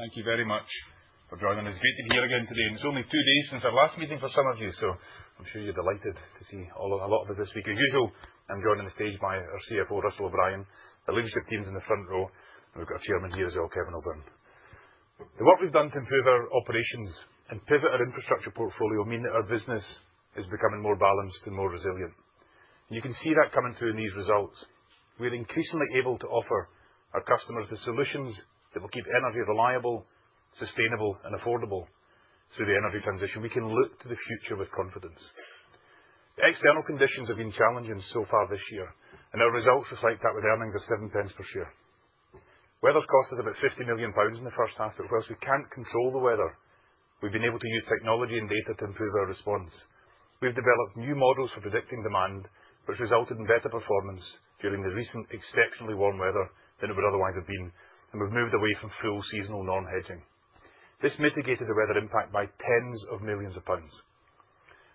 Thank you very much for joining us. It's great to be here again today. It's only two days since our last meeting for some of you, so I'm sure you're delighted to see a lot of us this week. As usual, I'm joined on the stage by our CFO, Russell O’Brien, the leadership teams in the front row, and we've got a Chairman here as well, Kevin O’Byrne. The work we've done to improve our operations and pivot our infrastructure portfolio means that our business is becoming more balanced and more resilient. You can see that coming through in these results. We're increasingly able to offer our customers the solutions that will keep energy reliable, sustainable, and affordable through the energy transition. We can look to the future with confidence. External conditions have been challenging so far this year, and our results reflect that with earnings of 0.07 per share. Weather's cost is about 50 million pounds in the first half, but whereas we can't control the weather, we've been able to use technology and data to improve our response. We've developed new models for predicting demand, which resulted in better performance during the recent exceptionally warm weather than it would otherwise have been, and we've moved away from fuel seasonal non-hedging. This mitigated the weather impact by tens of millions of pounds.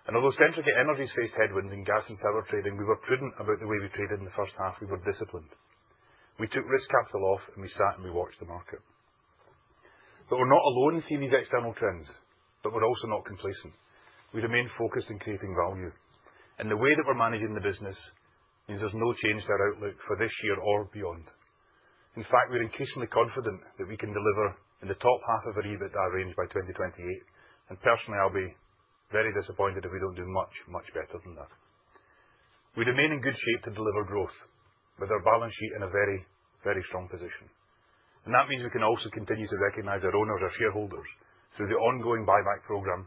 Although Centrica Energy's faced headwinds in gas and solar trading, we were prudent about the way we traded in the first half. We were disciplined. We took risk capital off, and we sat, and we watched the market. We're not alone in seeing these external trends, but we're also not complacent. We remain focused in creating value, and the way that we're managing the business means there's no change to our outlook for this year or beyond. In fact, we're increasingly confident that we can deliver in the top half of our EBITDA range by 2028, and personally, I'll be very disappointed if we don't do much, much better than that. We remain in good shape to deliver growth with our balance sheet in a very, very strong position. That means we can also continue to recognize our owners, our shareholders, through the ongoing buyback program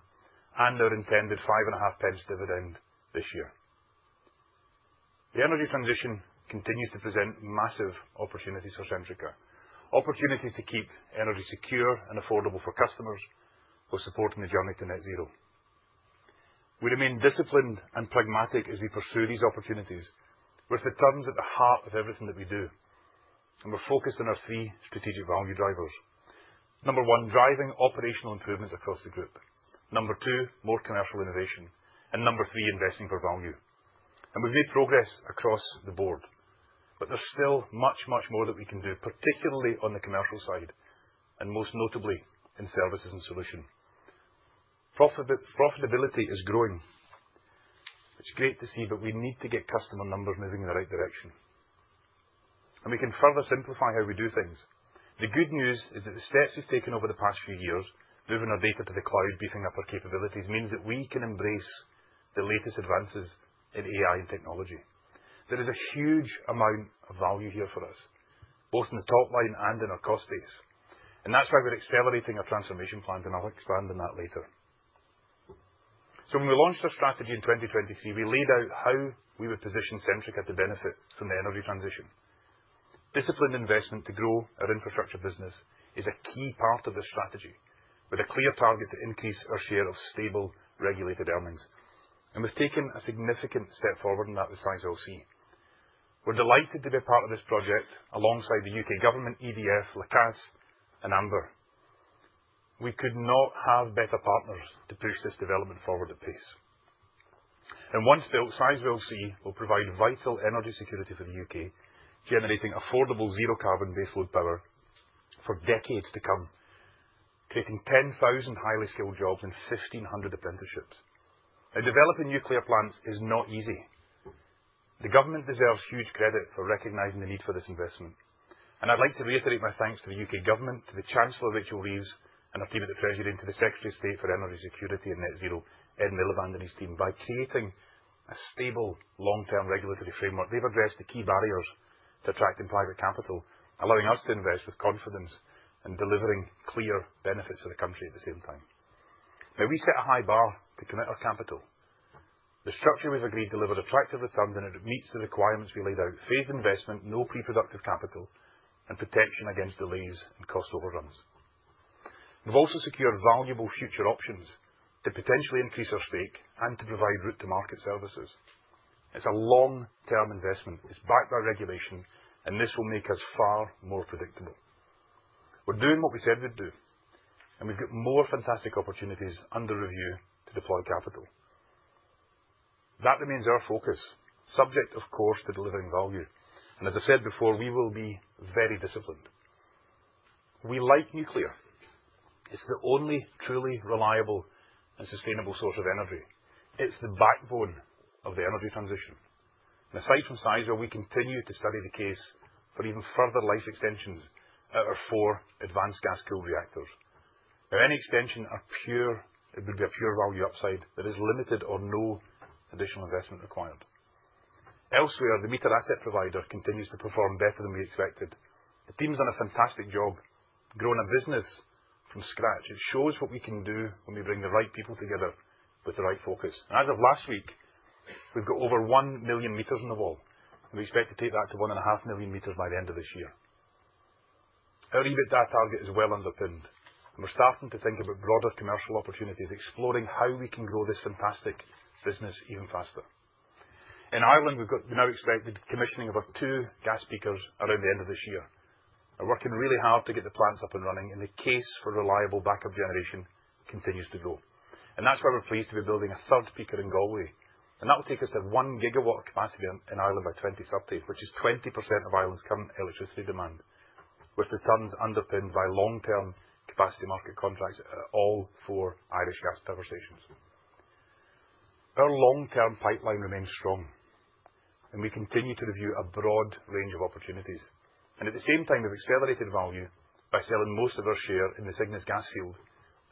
and our intended 5.50 dividend this year. The energy transition continues to present massive opportunities for Centrica, opportunities to keep energy secure and affordable for customers while supporting the journey to net zero. We remain disciplined and pragmatic as we pursue these opportunities with the terms at the heart of everything that we do. We're focused on our three strategic value drivers. Number one, driving operational improvements across the group. Number two, more commercial innovation. Number three, investing for value. We've made progress across the board, but there's still much, much more that we can do, particularly on the commercial side and most notably in Services & Solutions. Profitability is growing. It's great to see, but we need to get customer numbers moving in the right direction. We can further simplify how we do things. The good news is that the steps we've taken over the past few years, moving our data to the cloud, beefing up our capabilities, means that we can embrace the latest advances in AI and technology. There is a huge amount of value here for us, both in the top line and in our cost base. That's why we're accelerating our transformation plans, and I'll expand on that later. When we launched our strategy in 2023, we laid out how we would position Centrica to benefit from the energy transition. Disciplined investment to grow our infrastructure business is a key part of this strategy, with a clear target to increase our share of stable, regulated earnings. We've taken a significant step forward in that with Sizewell C. We're delighted to be a part of this project alongside the U.K. government, EDF, La Caisse, and Amber. We could not have better partners to push this development forward at pace. Once built, Sizewell C will provide vital energy security for the U.K., generating affordable zero-carbon baseload power for decades to come, creating 10,000 highly skilled jobs and 1,500 apprenticeships. Developing nuclear plants is not easy. The government deserves huge credit for recognizing the need for this investment. I'd like to reiterate my thanks to the U.K. government, to the Chancellor, Rachel Reeves, and our team at the Treasury, and to the Secretary of State for Energy Security and Net Zero, Ed Miliband, and his team, by creating a stable, long-term regulatory framework. They've addressed the key barriers to attracting private capital, allowing us to invest with confidence and delivering clear benefits for the country at the same time. We set a high bar to commit our capital. The structure we've agreed delivers attractive returns, and it meets the requirements we laid out: phased investment, no pre-productive capital, and protection against delays and cost overruns. We've also secured valuable future options to potentially increase our stake and to provide route-to-market services. It's a long-term investment. It's backed by regulation, and this will make us far more predictable. We're doing what we said we'd do, and we've got more fantastic opportunities under review to deploy capital. That remains our focus, subject, of course, to delivering value. As I said before, we will be very disciplined. We like nuclear. It's the only truly reliable and sustainable source of energy. It's the backbone of the energy transition. Aside from Sizewell, we continue to study the case for even further life extensions at our four advanced gas-cooled reactors. Any extension would be a pure value upside that is limited or no additional investment required. Elsewhere, the Meter Asset Provider continues to perform better than we expected. The team's done a fantastic job growing a business from scratch. It shows what we can do when we bring the right people together with the right focus. As of last week, we have got over 1 million meters on the wall, and we expect to take that to 1.5 million meters by the end of this year. Our EBITDA target is well underpinned, and we are starting to think about broader commercial opportunities, exploring how we can grow this fantastic business even faster. In Ireland, we now expect the commissioning of our two gas peakers around the end of this year. We are working really hard to get the plants up and running, and the case for reliable backup generation continues to grow. That is why we are pleased to be building a third peaker in Galway. That will take us to 1 GW of capacity in Ireland by 2030, which is 20% of Ireland's current electricity demand, with the terms underpinned by long-term capacity market contracts at all four Irish gas power stations. Our long-term pipeline remains strong. We continue to review a broad range of opportunities. At the same time, we have accelerated value by selling most of our share in the Cygnus gas field.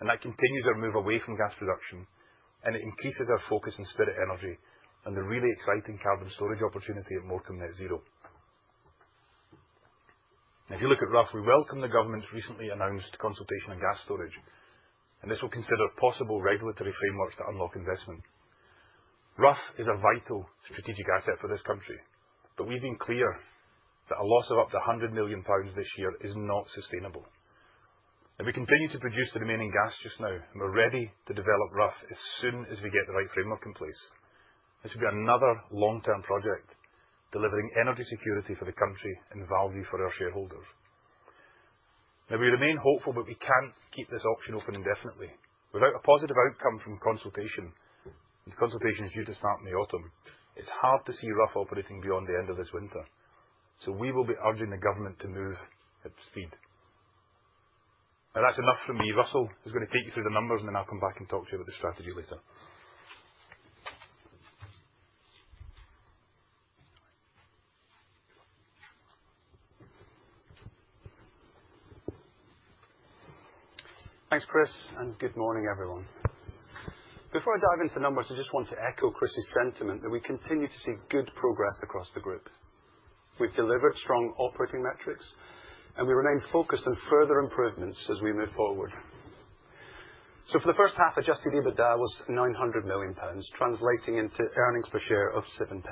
That continues our move away from gas production, and it increases our focus in Spirit Energy on the really exciting carbon storage opportunity at Morecambe Net Zero. If you look at Rough, we welcome the government's recently announced consultation on gas storage, and this will consider possible regulatory frameworks to unlock investment. Rough is a vital strategic asset for this country, but we have been clear that a loss of up to 100 million pounds this year is not sustainable. We continue to produce the remaining gas just now, and we are ready to develop Rough as soon as we get the right framework in place. This will be another long-term project, delivering energy security for the country and value for our shareholders. We remain hopeful, but we cannot keep this option open indefinitely. Without a positive outcome from consultation, and the consultation is due to start in the autumn, it is hard to see Rough operating beyond the end of this winter. We will be urging the government to move at speed. That is enough from me. Russell is going to take you through the numbers, and then I will come back and talk to you about the strategy later. Thanks, Chris, and good morning, everyone. Before I dive into numbers, I just want to echo Chris's sentiment that we continue to see good progress across the Group. We have delivered strong operating metrics, and we remain focused on further improvements as we move forward. For the first half, adjusted EBITDA was 900 million pounds, translating into earnings per share of 0.07.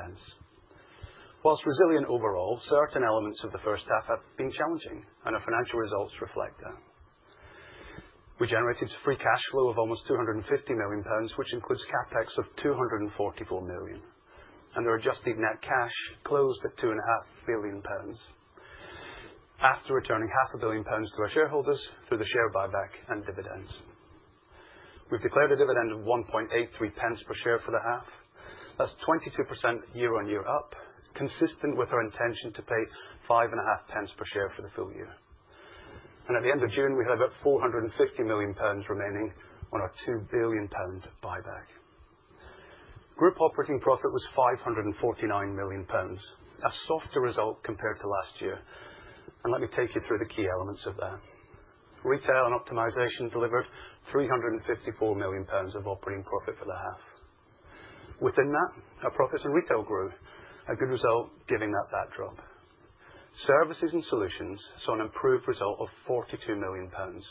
Whilst resilient overall, certain elements of the first half have been challenging, and our financial results reflect that. We generated free cash flow of almost 250 million pounds, which includes CapEx of 244 million, and our adjusted net cash closed at 2.5 billion pounds. After returning 500 million pounds to our shareholders through the share buyback and dividends, we have declared a dividend of 1.83 per share for the half. That is 22% year-on-year up, consistent with our intention to pay 5.50 per share for the full year. At the end of June, we had about 450 million pounds remaining on our 2 billion pound buyback. Group operating profit was 549 million pounds, a softer result compared to last year. Let me take you through the key elements of that. Retail and Optimization delivered 354 million pounds of operating profit for the half. Within that, our profits in retail grew, a good result given that backdrop. Services and Solutions saw an improved result of 42 million pounds.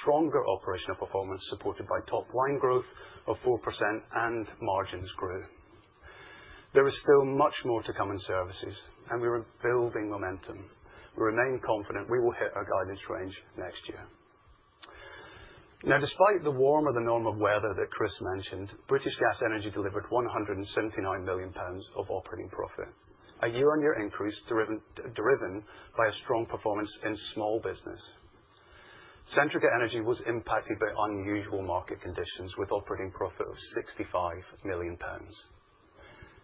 Stronger operational performance supported by top-line growth of 4% and margins grew. There is still much more to come in services, and we are building momentum. We remain confident we will hit our guidance range next year. Now, despite the warmer-than-normal weather that Chris mentioned, British Gas Energy delivered 179 million pounds of operating profit, a year-on-year increase driven by strong performance in small business. Centrica Energy was impacted by unusual market conditions, with operating profit of 65 million pounds.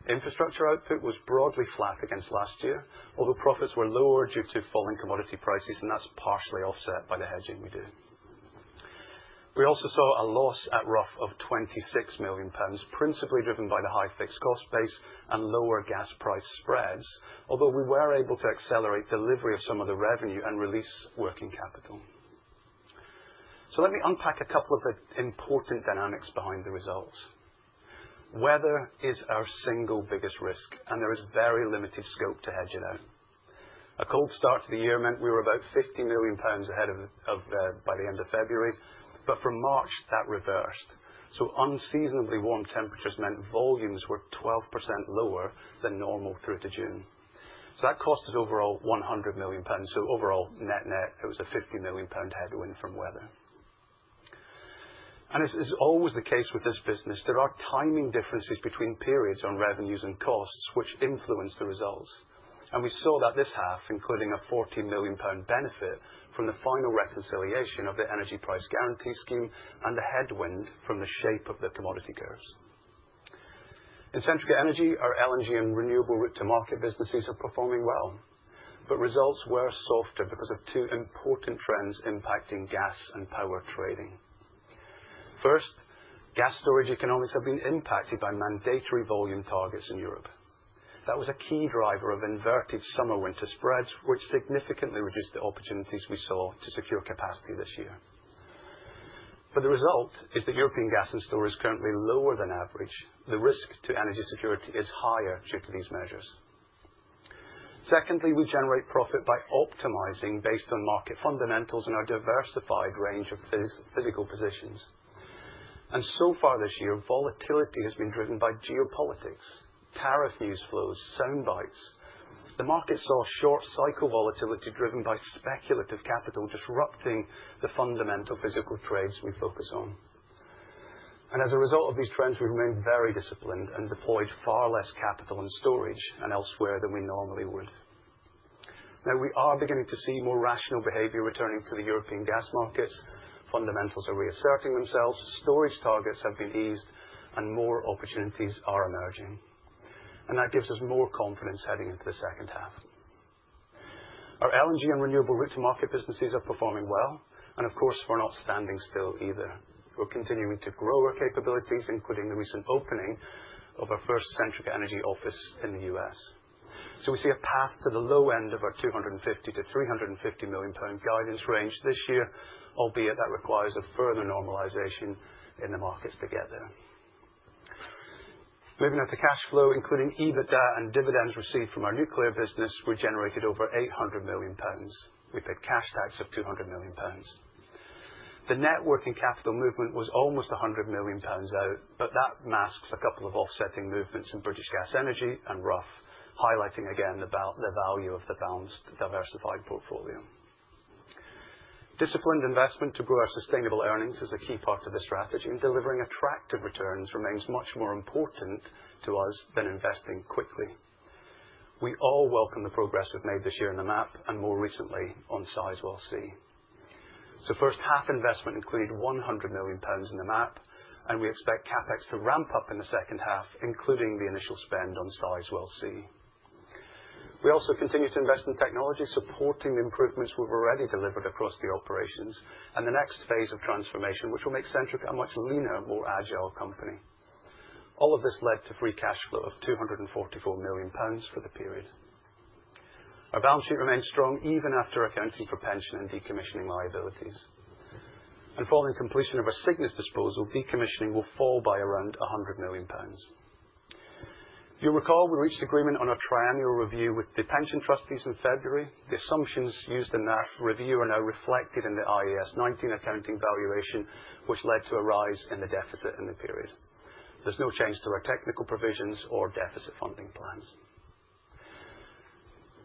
Infrastructure output was broadly flat against last year, although profits were lower due to falling commodity prices, and that is partially offset by the hedging we did. We also saw a loss at Rough of 26 million pounds, principally driven by the high fixed cost base and lower gas price spreads, although we were able to accelerate delivery of some of the revenue and release working capital. Let me unpack a couple of the important dynamics behind the results. Weather is our single biggest risk, and there is very limited scope to hedge it out. A cold start to the year meant we were about 50 million pounds ahead by the end of February, but for March, that reversed. Unseasonably warm temperatures meant volumes were 12% lower than normal through to June. That cost us overall 100 million pounds. Overall, net-net, it was a 50 million pound headwind from weather. As is always the case with this business, there are timing differences between periods on revenues and costs, which influence the results. We saw that this half, including a 40 million pound benefit from the final reconciliation of the Energy Price Guarantee scheme and the headwind from the shape of the commodity curves. In Centrica Energy, our LNG and renewable route-to-market businesses are performing well, but results were softer because of two important trends impacting gas and power trading. First, gas storage economics have been impacted by mandatory volume targets in Europe. That was a key driver of inverted summer-winter spreads, which significantly reduced the opportunities we saw to secure capacity this year. The result is that European gas and storage is currently lower than average. The risk to energy security is higher due to these measures. Secondly, we generate profit by optimizing based on market fundamentals and our diversified range of physical positions. So far this year, volatility has been driven by geopolitics, tariff news flows, soundbites. The market saw short-cycle volatility driven by speculative capital disrupting the fundamental physical trades we focus on. As a result of these trends, we've remained very disciplined and deployed far less capital in storage and elsewhere than we normally would. Now, we are beginning to see more rational behavior returning to the European gas markets. Fundamentals are reasserting themselves. Storage targets have been eased, and more opportunities are emerging. That gives us more confidence heading into the second half. Our LNG and renewable route-to-market businesses are performing well, and of course, we're not standing still either. We're continuing to grow our capabilities, including the recent opening of our first Centrica Energy office in the US. We see a path to the low end of our 250 million-350 million pound guidance range this year, albeit that requires a further normalization in the markets to get there. Moving out to cash flow, including EBITDA and dividends received from our nuclear business, we generated over 800 million pounds. We paid cash tax of 200 million pounds. The net working capital movement was almost 100 million pounds out, but that masks a couple of offsetting movements in British Gas Energy and Rough, highlighting again the value of the balanced diversified portfolio. Disciplined investment to grow our sustainable earnings is a key part of the strategy, and delivering attractive returns remains much more important to us than investing quickly. We all welcome the progress we've made this year in the MAP, and more recently on Sizewell C. First half investment included 100 million pounds in the MAP, and we expect CapEx to ramp up in the second half, including the initial spend on Sizewell C. We also continue to invest in technology, supporting the improvements we've already delivered across the operations and the next phase of transformation, which will make Centrica a much leaner, more agile company. All of this led to free cash flow of 244 million pounds for the period. Our balance sheet remains strong even after accounting for pension and decommissioning liabilities. Following completion of our Cygnus disposal, decommissioning will fall by around 100 million pounds. You'll recall we reached agreement on a triennial review with the pension trustees in February. The assumptions used in that review are now reflected in the IAS 19 accounting valuation, which led to a rise in the deficit in the period. There's no change to our technical provisions or deficit funding plans.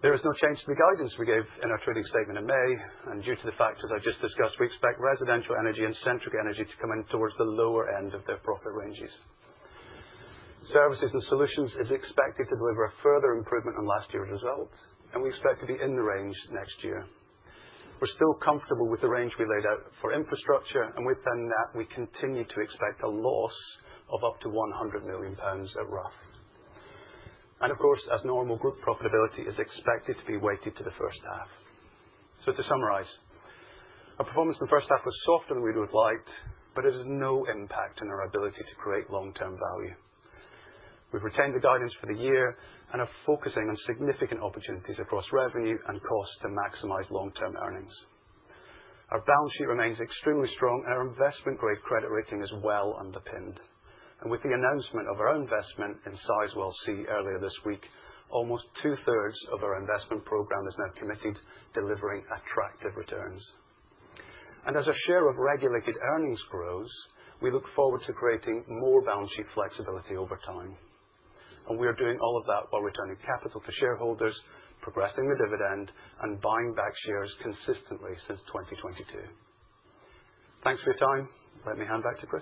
There is no change to the guidance we gave in our trading statement in May, and due to the factors I just discussed, we expect residential energy and Centrica Energy to come in towards the lower end of their profit ranges. Services & Solutions is expected to deliver a further improvement on last year's results, and we expect to be in the range next year. We're still comfortable with the range we laid out for infrastructure, and within that, we continue to expect a loss of up to 100 million pounds at Rough. Of course, as normal, group profitability is expected to be weighted to the first half. To summarize, our performance in the first half was softer than we would have liked, but it has no impact on our ability to create long-term value. We've retained the guidance for the year and are focusing on significant opportunities across revenue and cost to maximize long-term earnings. Our balance sheet remains extremely strong, and our investment-grade credit rating is well underpinned. With the announcement of our investment in Sizewell C earlier this week, almost two-thirds of our investment program is now committed, delivering attractive returns. As our share of regulated earnings grows, we look forward to creating more balance sheet flexibility over time. We are doing all of that while returning capital to shareholders, progressing the dividend, and buying back shares consistently since 2022. Thanks for your time. Let me hand back to Chris.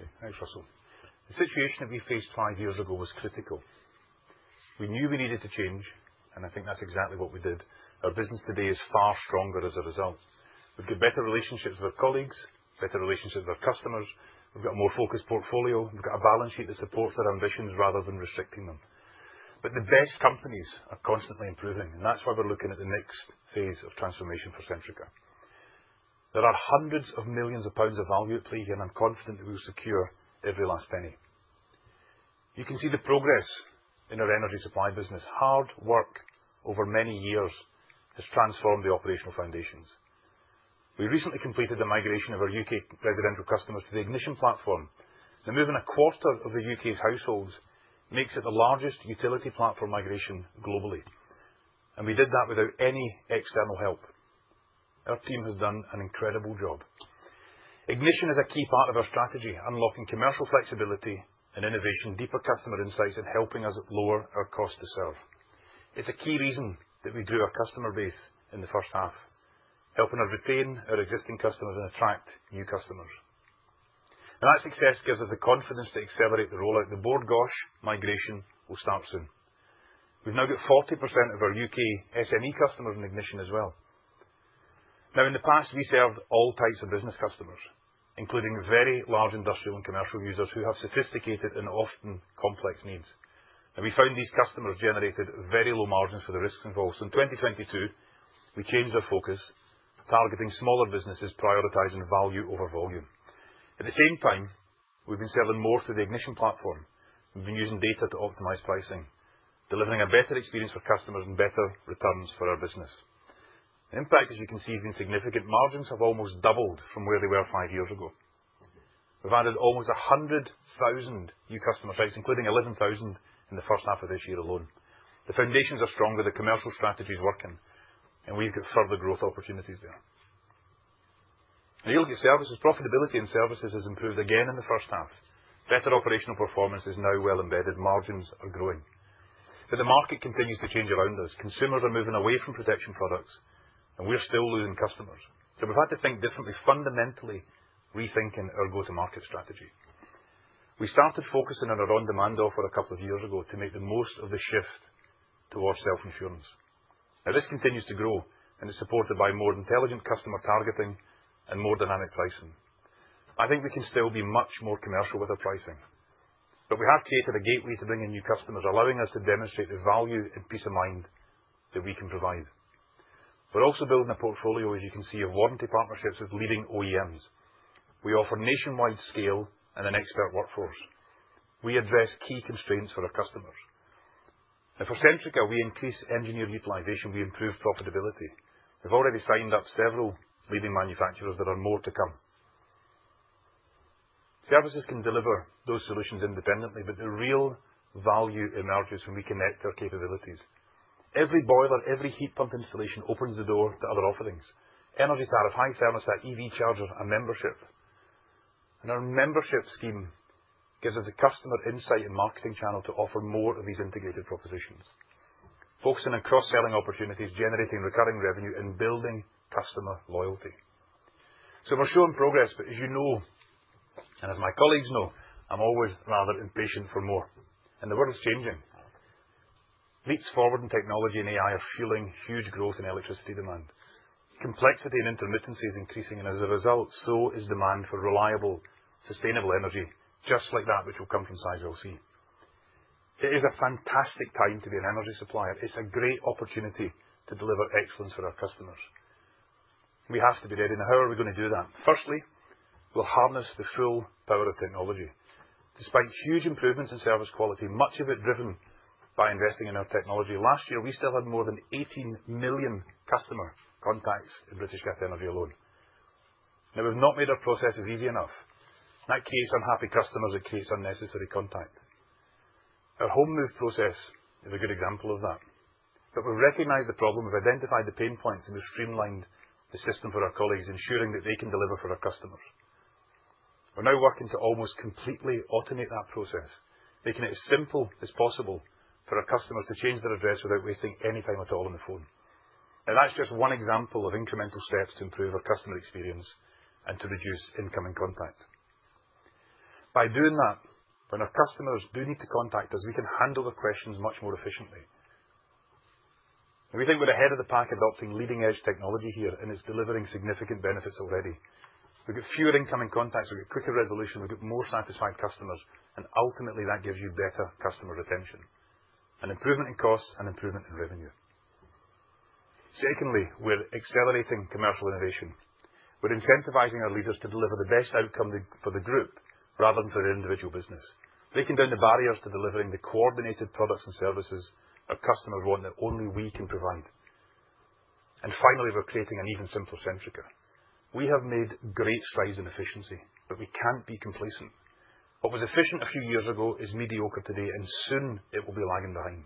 Okay. Thanks, Russell. The situation that we faced five years ago was critical. We knew we needed to change, and I think that's exactly what we did. Our business today is far stronger as a result. We've got better relationships with our colleagues, better relationships with our customers. We've got a more focused portfolio. We've got a balance sheet that supports our ambitions rather than restricting them. The best companies are constantly improving, and that's why we're looking at the next phase of transformation for Centrica. There are hundreds of millions of pounds of value at play here, and I'm confident that we'll secure every last penny. You can see the progress in our energy supply business. Hard work over many years has transformed the operational foundations. We recently completed the migration of our U.K. residential customers to the Ignition platform. The move in a quarter of the U.K.'s households makes it the largest utility platform migration globally. We did that without any external help. Our team has done an incredible job. Ignition is a key part of our strategy, unlocking commercial flexibility and innovation, deeper customer insights, and helping us lower our cost to serve. It's a key reason that we grew our customer base in the first half, helping us retain our existing customers and attract new customers. That success gives us the confidence to accelerate the rollout. The Bord Gáis migration will start soon. We've now got 40% of our U.K. SME customers in Ignition as well. In the past, we served all types of business customers, including very large industrial and commercial users who have sophisticated and often complex needs. We found these customers generated very low margins for the risks involved. In 2022, we changed our focus, targeting smaller businesses, prioritizing value over volume. At the same time, we've been selling more through the Ignition platform. We've been using data to optimize pricing, delivering a better experience for customers and better returns for our business. The impact, as you can see, has been significant. Margins have almost doubled from where they were five years ago. We've added almost 100,000 new customer sites, including 11,000 in the first half of this year alone. The foundations are stronger, the commercial strategy is working, and we've got further growth opportunities there. You look at Services. Profitability in Services has improved again in the first half. Better operational performance is now well embedded. Margins are growing. The market continues to change around us. Consumers are moving away from protection products, and we're still losing customers. We've had to think differently, fundamentally rethinking our go-to-market strategy. We started focusing on our on-demand offer a couple of years ago to make the most of the shift towards self-insurance. This continues to grow, and it's supported by more intelligent customer targeting and more dynamic pricing. I think we can still be much more commercial with our pricing, but we have created a gateway to bring in new customers, allowing us to demonstrate the value and peace of mind that we can provide. We're also building a portfolio, as you can see, of warranty partnerships with leading OEMs. We offer nationwide scale and an expert workforce. We address key constraints for our customers. Now, for Centrica, we increase engineer utilization. We improve profitability. We've already signed up several leading manufacturers and there are more to come. Services can deliver those solutions independently, but the real value emerges when we connect our capabilities. Every boiler, every heat pump installation opens the door to other offerings: energy tariff, Hive thermostat, EV charger, a membership. Our membership scheme gives us a customer insight and marketing channel to offer more of these integrated propositions, focusing on cross-selling opportunities, generating recurring revenue, and building customer loyalty. We are showing progress, but as you know, and as my colleagues know, I'm always rather impatient for more. The world is changing. Leaps forward in technology and AI are fueling huge growth in electricity demand. Complexity and intermittency is increasing, and as a result, so is demand for reliable, sustainable energy, just like that which will come from Sizewell C. It is a fantastic time to be an energy supplier. It's a great opportunity to deliver excellence for our customers. We have to be ready. Now, how are we going to do that? Firstly, we'll harness the full power of technology. Despite huge improvements in service quality, much of it driven by investing in our technology, last year we still had more than 18 million customer contacts in British Gas Energy alone. We've not made our processes easy enough. In that case, unhappy customers, it creates unnecessary contact. Home move process is a good example of that. We've recognized the problem, we've identified the pain points, and we've streamlined the system for our colleagues, ensuring that they can deliver for our customers. We're now working to almost completely automate that process, making it as simple as possible for our customers to change their address without wasting any time at all on the phone. That's just one example of incremental steps to improve our customer experience and to reduce incoming contact. By doing that, when our customers do need to contact us, we can handle their questions much more efficiently. We think we're ahead of the pack adopting leading-edge technology here, and it's delivering significant benefits already. We get fewer incoming contacts, we get quicker resolution, we get more satisfied customers, and ultimately, that gives you better customer retention, an improvement in cost, and an improvement in revenue. Secondly, we're accelerating commercial innovation. We're incentivizing our leaders to deliver the best outcome for the Group rather than for their individual business, breaking down the barriers to delivering the coordinated products and services our customers want that only we can provide. Finally, we're creating an even simpler Centrica. We have made great strides in efficiency, but we can't be complacent. What was efficient a few years ago is mediocre today, and soon it will be lagging behind.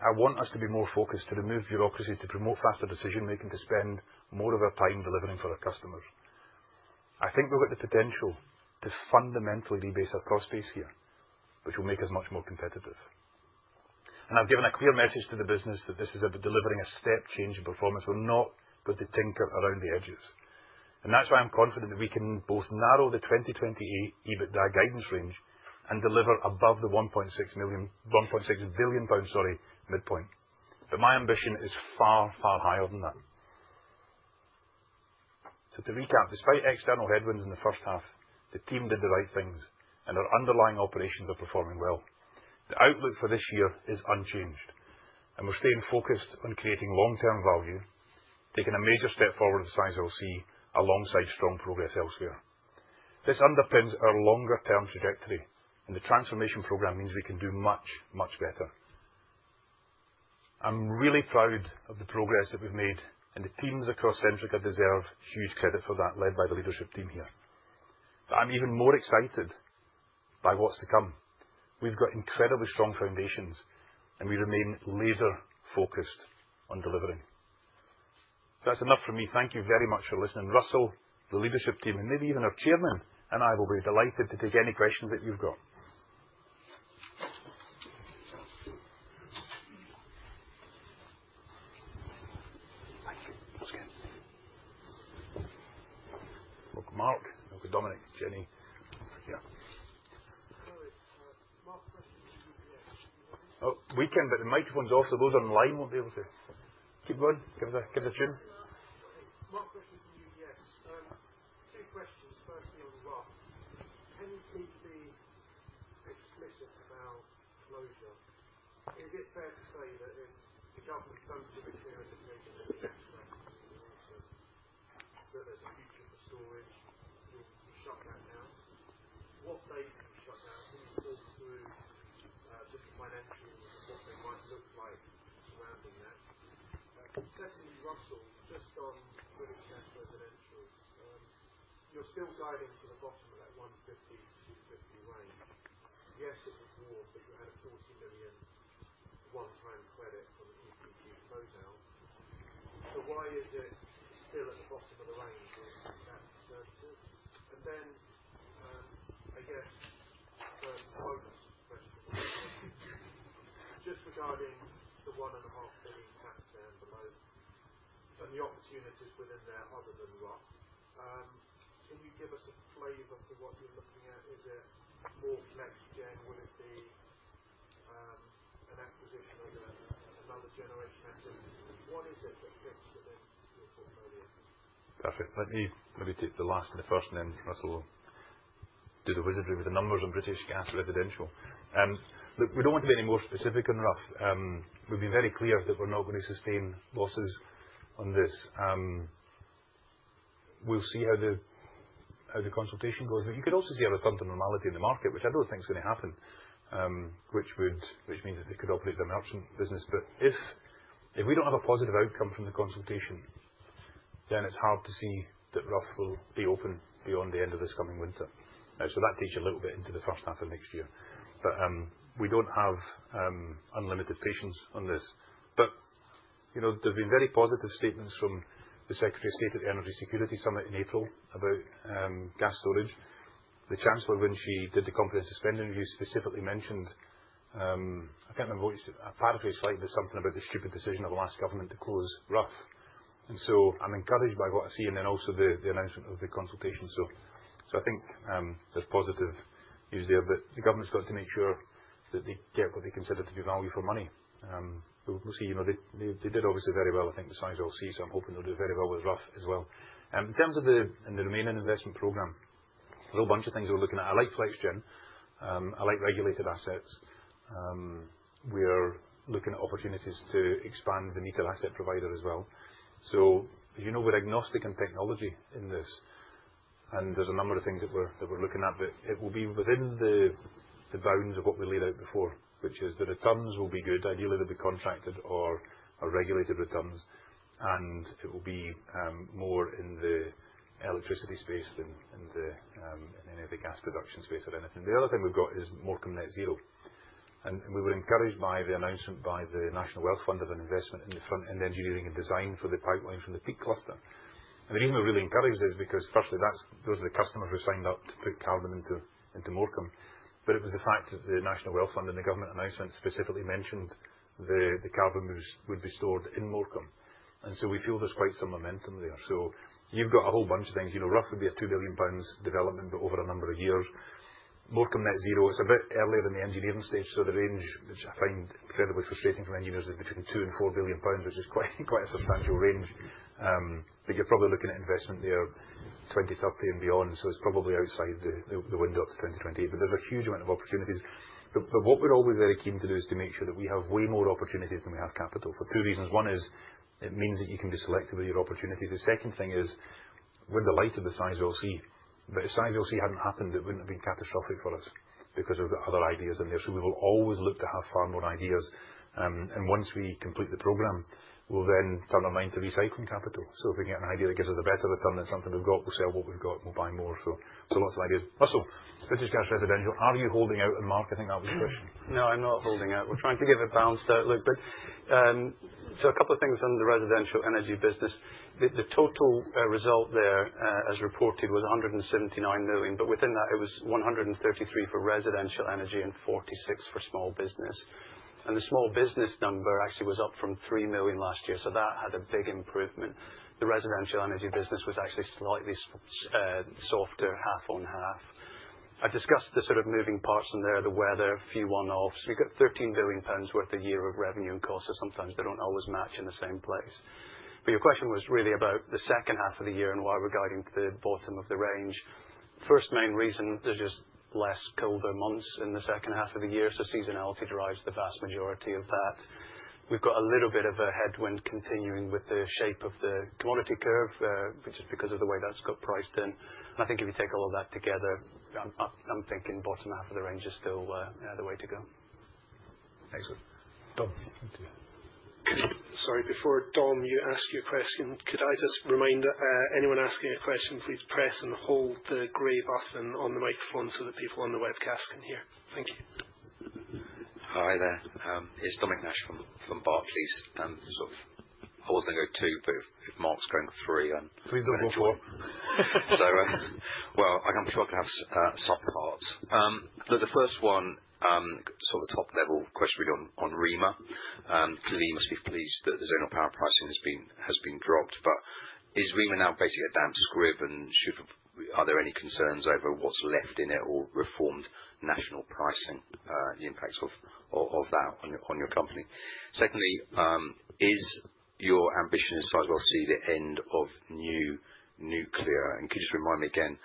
I want us to be more focused, to remove bureaucracies, to promote faster decision-making, to spend more of our time delivering for our customers. I think we've got the potential to fundamentally rebase our cost base here, which will make us much more competitive. I've given a clear message to the business that this is about delivering a step change in performance. We're not going to tinker around the edges. That's why I'm confident that we can both narrow the 2028 EBITDA guidance range and deliver above the 1.6 billion pounds midpoint. My ambition is far, far higher than that. To recap, despite external headwinds in the first half, the team did the right things, and our underlying operations are performing well. The outlook for this year is unchanged, and we're staying focused on creating long-term value, taking a major step forward at Sizewell C alongside strong progress elsewhere. This underpins our longer-term trajectory, and the transformation program means we can do much, much better. I'm really proud of the progress that we've made, and the teams across Centrica deserve huge credit for that, led by the leadership team here. I'm even more excited by what's to come. We've got incredibly strong foundations, and we remain laser-focused on delivering. That's enough from me. Thank you very much for listening. Russell, the leadership team, and maybe even our Chairman and I will be delighted to take any questions that you've got. Thank you. That's good. Mark? Okay. Dominic? Jenny? Yeah. Hello. Mark, question from UBS. Can you hear me? Oh, we can, but the microphone's off, so those online won't be able to keep going. Give us a tune. Mark, question from UBS. Two questions. Firstly, on Rough, can you please be explicit about closure? Is it fair to say that if the government do not give a clear indication that the gas facilities will also, that there is a future for storage, you will shut that down? What date will you shut down? Can you talk through just the financials and what they might look like surrounding that? Secondly, Russell, just on the big tax residential, you are still guiding to the bottom of that 150 million-250 million range. Yes, it was warm, but you had a 40 million one-time credit from the EPG close out. Why is it still at the bottom of the range? Is that conservative? I guess, focus question, just regarding the 1.5 billion cap down below and the opportunities within there other than Rough. Can you give us a flavor for what you are looking at? Is it more next gen? Will it be an acquisition of another generation? What is it that fits within your portfolio? Perfect. Let me take the last and the first, and then Russell will do the wizardry with the numbers on British Gas Residential. Look, we do not want to be any more specific on Rough. We have been very clear that we are not going to sustain losses on this. We will see how the consultation goes. You could also see a return to normality in the market, which I do not think is going to happen, which means that this could open up some business. If we do not have a positive outcome from the consultation, then it is hard to see that Rough will be open beyond the end of this coming winter. That takes you a little bit into the first half of next year. We do not have unlimited patience on this. There have been very positive statements from the Secretary of State at the Energy Security Summit in April about gas storage. The Chancellor, when she did the comprehensive spending review, specifically mentioned—I cannot remember what she said—a part of her slide was something about the stupid decision of the last government to close Rough. I am encouraged by what I see and then also the announcement of the consultation. I think there is positive news there. The government has to make sure that they get what they consider to be value for money. We will see. They did obviously very well, I think, with Sizewell C. I am hoping they will do very well with Rough as well. In terms of the remaining investment program, there is a whole bunch of things we are looking at. I like flex gen. I like regulated assets. We are looking at opportunities to expand the Meter Asset Provider as well. As you know, we are agnostic in technology in this, and there are a number of things that we are looking at. It will be within the bounds of what we laid out before, which is the returns will be good. Ideally, they will be contracted or regulated returns, and it will be more in the electricity space than in any of the gas production space or anything. The other thing we have got is Morecambe Net Zero. We were encouraged by the announcement by the National Wealth Fund of an investment in the front-end engineering and design for the pipeline from the peak cluster. The reason we are really encouraged is because, firstly, those are the customers who signed up to put carbon into Morecambe. It was the fact that the National Wealth Fund and the government announcement specifically mentioned the carbon would be stored in Morecambe. We feel there is quite some momentum there. You have got a whole bunch of things. Rough would be a 2 billion pounds development over a number of years. Morecambe Net Zero, it is a bit earlier in the engineering stage. The range, which I find incredibly frustrating for engineers, is between 2 billion and 4 billion pounds, which is quite a substantial range. You're probably looking at investment there 2030 and beyond. It is probably outside the window up to 2028. There is a huge amount of opportunities. What we are always very keen to do is to make sure that we have way more opportunities than we have capital for two reasons. One is it means that you can be selective with your opportunities. The second thing is we are the light of the Sizewell C. If Sizewell C had not happened, it would not have been catastrophic for us because of the other ideas in there. We will always look to have far more ideas. Once we complete the program, we will then turn our mind to recycling capital. If we get an idea that gives us a better return than something we have got, we will sell what we have got. We will buy more. Lots of ideas. Russell, British Gas Residential, are you holding out? Mark, I think that was a question. No, I'm not holding out. We're trying to give a balanced outlook. A couple of things on the residential energy business. The total result there, as reported, was 179 million. Within that, it was 133 million for residential energy and 46 million for small business. The small business number actually was up from 3 million last year. That had a big improvement. The residential energy business was actually slightly softer, half on half. I've discussed the sort of moving parts in there, the weather, a few one-offs. We've got 13 billion pounds worth a year of revenue and costs. Sometimes they do not always match in the same place. Your question was really about the second half of the year and why we're guiding to the bottom of the range. The first main reason, there are just fewer colder months in the second half of the year. Seasonality drives the vast majority of that. We've got a little bit of a headwind continuing with the shape of the commodity curve, just because of the way that's got priced in. I think if you take all of that together, I'm thinking bottom half of the range is still the way to go. Tom. Sorry, before Tom, you ask your question, could I just remind anyone asking a question, please press and hold the gray button on the microphone so that people on the webcast can hear. Thank you. Hi there. It's Domnic Nash from Barclays. I was going to go two, but if Mark's going for three on. Please don't go for four. I'm sure I can have subparts. Look, the first one, sort of the top-level question really on REMA. Clearly, you must be pleased that the zonal power pricing has been dropped. Is REMA now basically a damp squib, and are there any concerns over what's left in it or reformed national pricing, the impacts of that on your company? Secondly, is your ambition at Sizewell C the end of new nuclear? Could you just remind me again,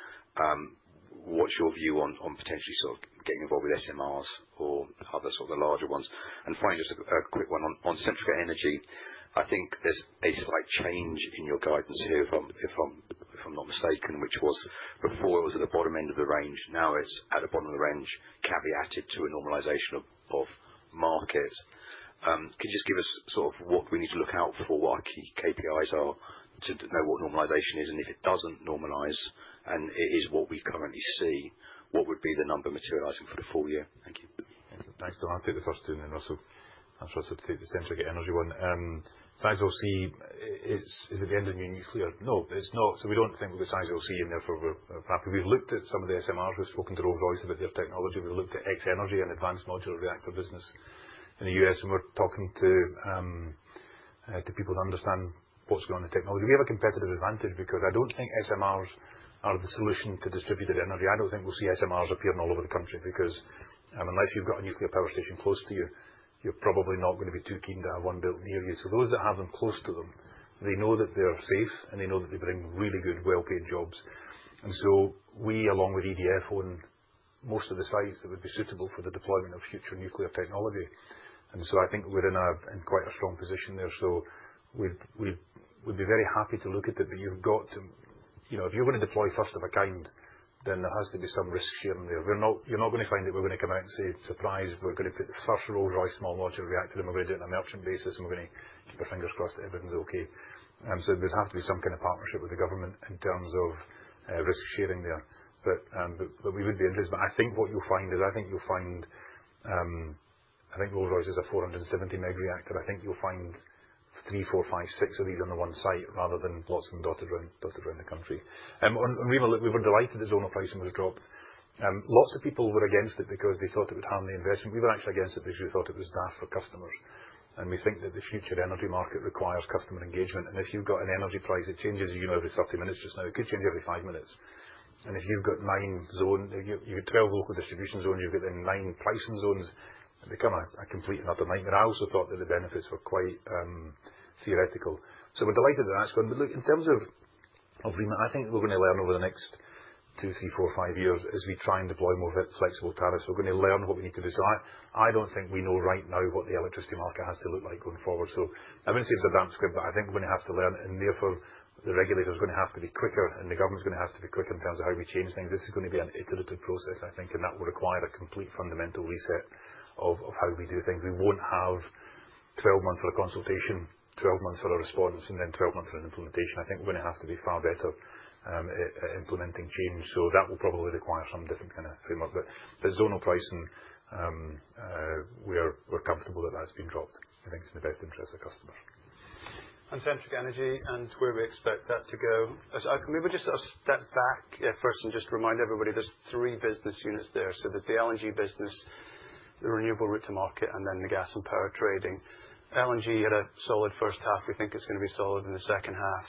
what's your view on potentially sort of getting involved with SMRs or other sort of the larger ones? Finally, just a quick one on Centrica Energy. I think there's a slight change in your guidance here, if I'm not mistaken, which was before it was at the bottom end of the range. Now it's at the bottom of the range, caveated to a normalization of market. Could you just give us sort of what we need to look out for, what our key KPIs are, to know what normalization is? If it doesn't normalize and it is what we currently see, what would be the number materializing for the full year? Thank you. Thanks, Tom. I'll take the first one then, Russell. I'm sure I'll take the Centrica Energy one. Sizewell C, is it the end of new nuclear? No, it's not. We don't think we've got Sizewell C in there for a while. We've looked at some of the SMRs. We've spoken to Rolls-Royce about their technology. We've looked at X-Energy, an advanced modular reactor business in the U.S. We're talking to people to understand what's going on in technology. We have a competitive advantage because I don't think SMRs are the solution to distributed energy. I don't think we'll see SMRs appearing all over the country because unless you've got a nuclear power station close to you, you're probably not going to be too keen to have one built near you. Those that have them close to them, they know that they're safe, and they know that they bring really good, well-paid jobs. We, along with EDF, own most of the sites that would be suitable for the deployment of future nuclear technology. I think we're in quite a strong position there. We'd be very happy to look at it. If you're going to deploy first of a kind, then there has to be some risk sharing there. You're not going to find that we're going to come out and say, "Surprise, we're going to put the first Rolls-Royce small modular reactor, and we're going to do it on a merchant basis, and we're going to keep our fingers crossed that everything's okay." There has to be some kind of partnership with the government in terms of risk sharing there. We would be interested. I think what you'll find is, I think you'll find Rolls-Royce has a 470-meg reactor. I think you'll find three, four, five, six of these on the one site rather than lots and dotted around the country. On REMA, we were delighted that zonal pricing was dropped. Lots of people were against it because they thought it would harm the investment. We were actually against it because we thought it was daft for customers. We think that the future energy market requires customer engagement. If you've got an energy price that changes every 30 minutes just now, it could change every five minutes. If you've got nine zones, you've got 12 local distribution zones, then you've got nine pricing zones, it becomes a complete and utter nightmare. I also thought that the benefits were quite theoretical. We're delighted that that's gone. In terms of REMA, I think we're going to learn over the next two, three, four, five years as we try and deploy more flexible tariffs. We're going to learn what we need to do. I don't think we know right now what the electricity market has to look like going forward. I'm going to say it's a damp squib, but I think we're going to have to learn. Therefore, the regulator is going to have to be quicker, and the government is going to have to be quicker in terms of how we change things. This is going to be an iterative process, I think, and that will require a complete fundamental reset of how we do things. We won't have 12 months for a consultation, 12 months for a response, and then 12 months for an implementation. I think we're going to have to be far better at implementing change. That will probably require some different kind of framework. Zonal pricing, we're comfortable that that's been dropped. I think it's in the best interest of customers. Centrica Energy and where we expect that to go. Maybe we'll just sort of step back first and just remind everybody there's three business units there. There's the LNG business, the renewable route to market, and then the gas and power trading. LNG had a solid first half. We think it's going to be solid in the second half.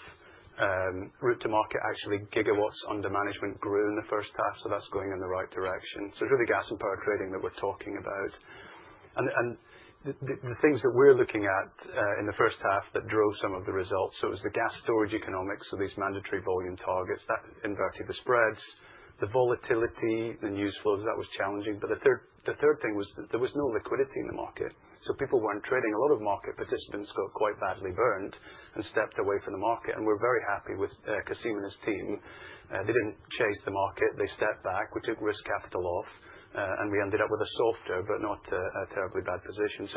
Route to market, actually, gigawatts under management grew in the first half. That's going in the right direction. It's really gas and power trading that we're talking about. The things that we're looking at in the first half that drove some of the results: it was the gas storage economics, these mandatory volume targets that inverted the spreads, the volatility and the news flows, that was challenging. The third thing was there was no liquidity in the market. People weren't trading. A lot of market participants got quite badly burned and stepped away from the market. We're very happy with Cassim and his team. They didn't chase the market. They stepped back. We took risk capital off. We ended up with a softer but not a terribly bad position.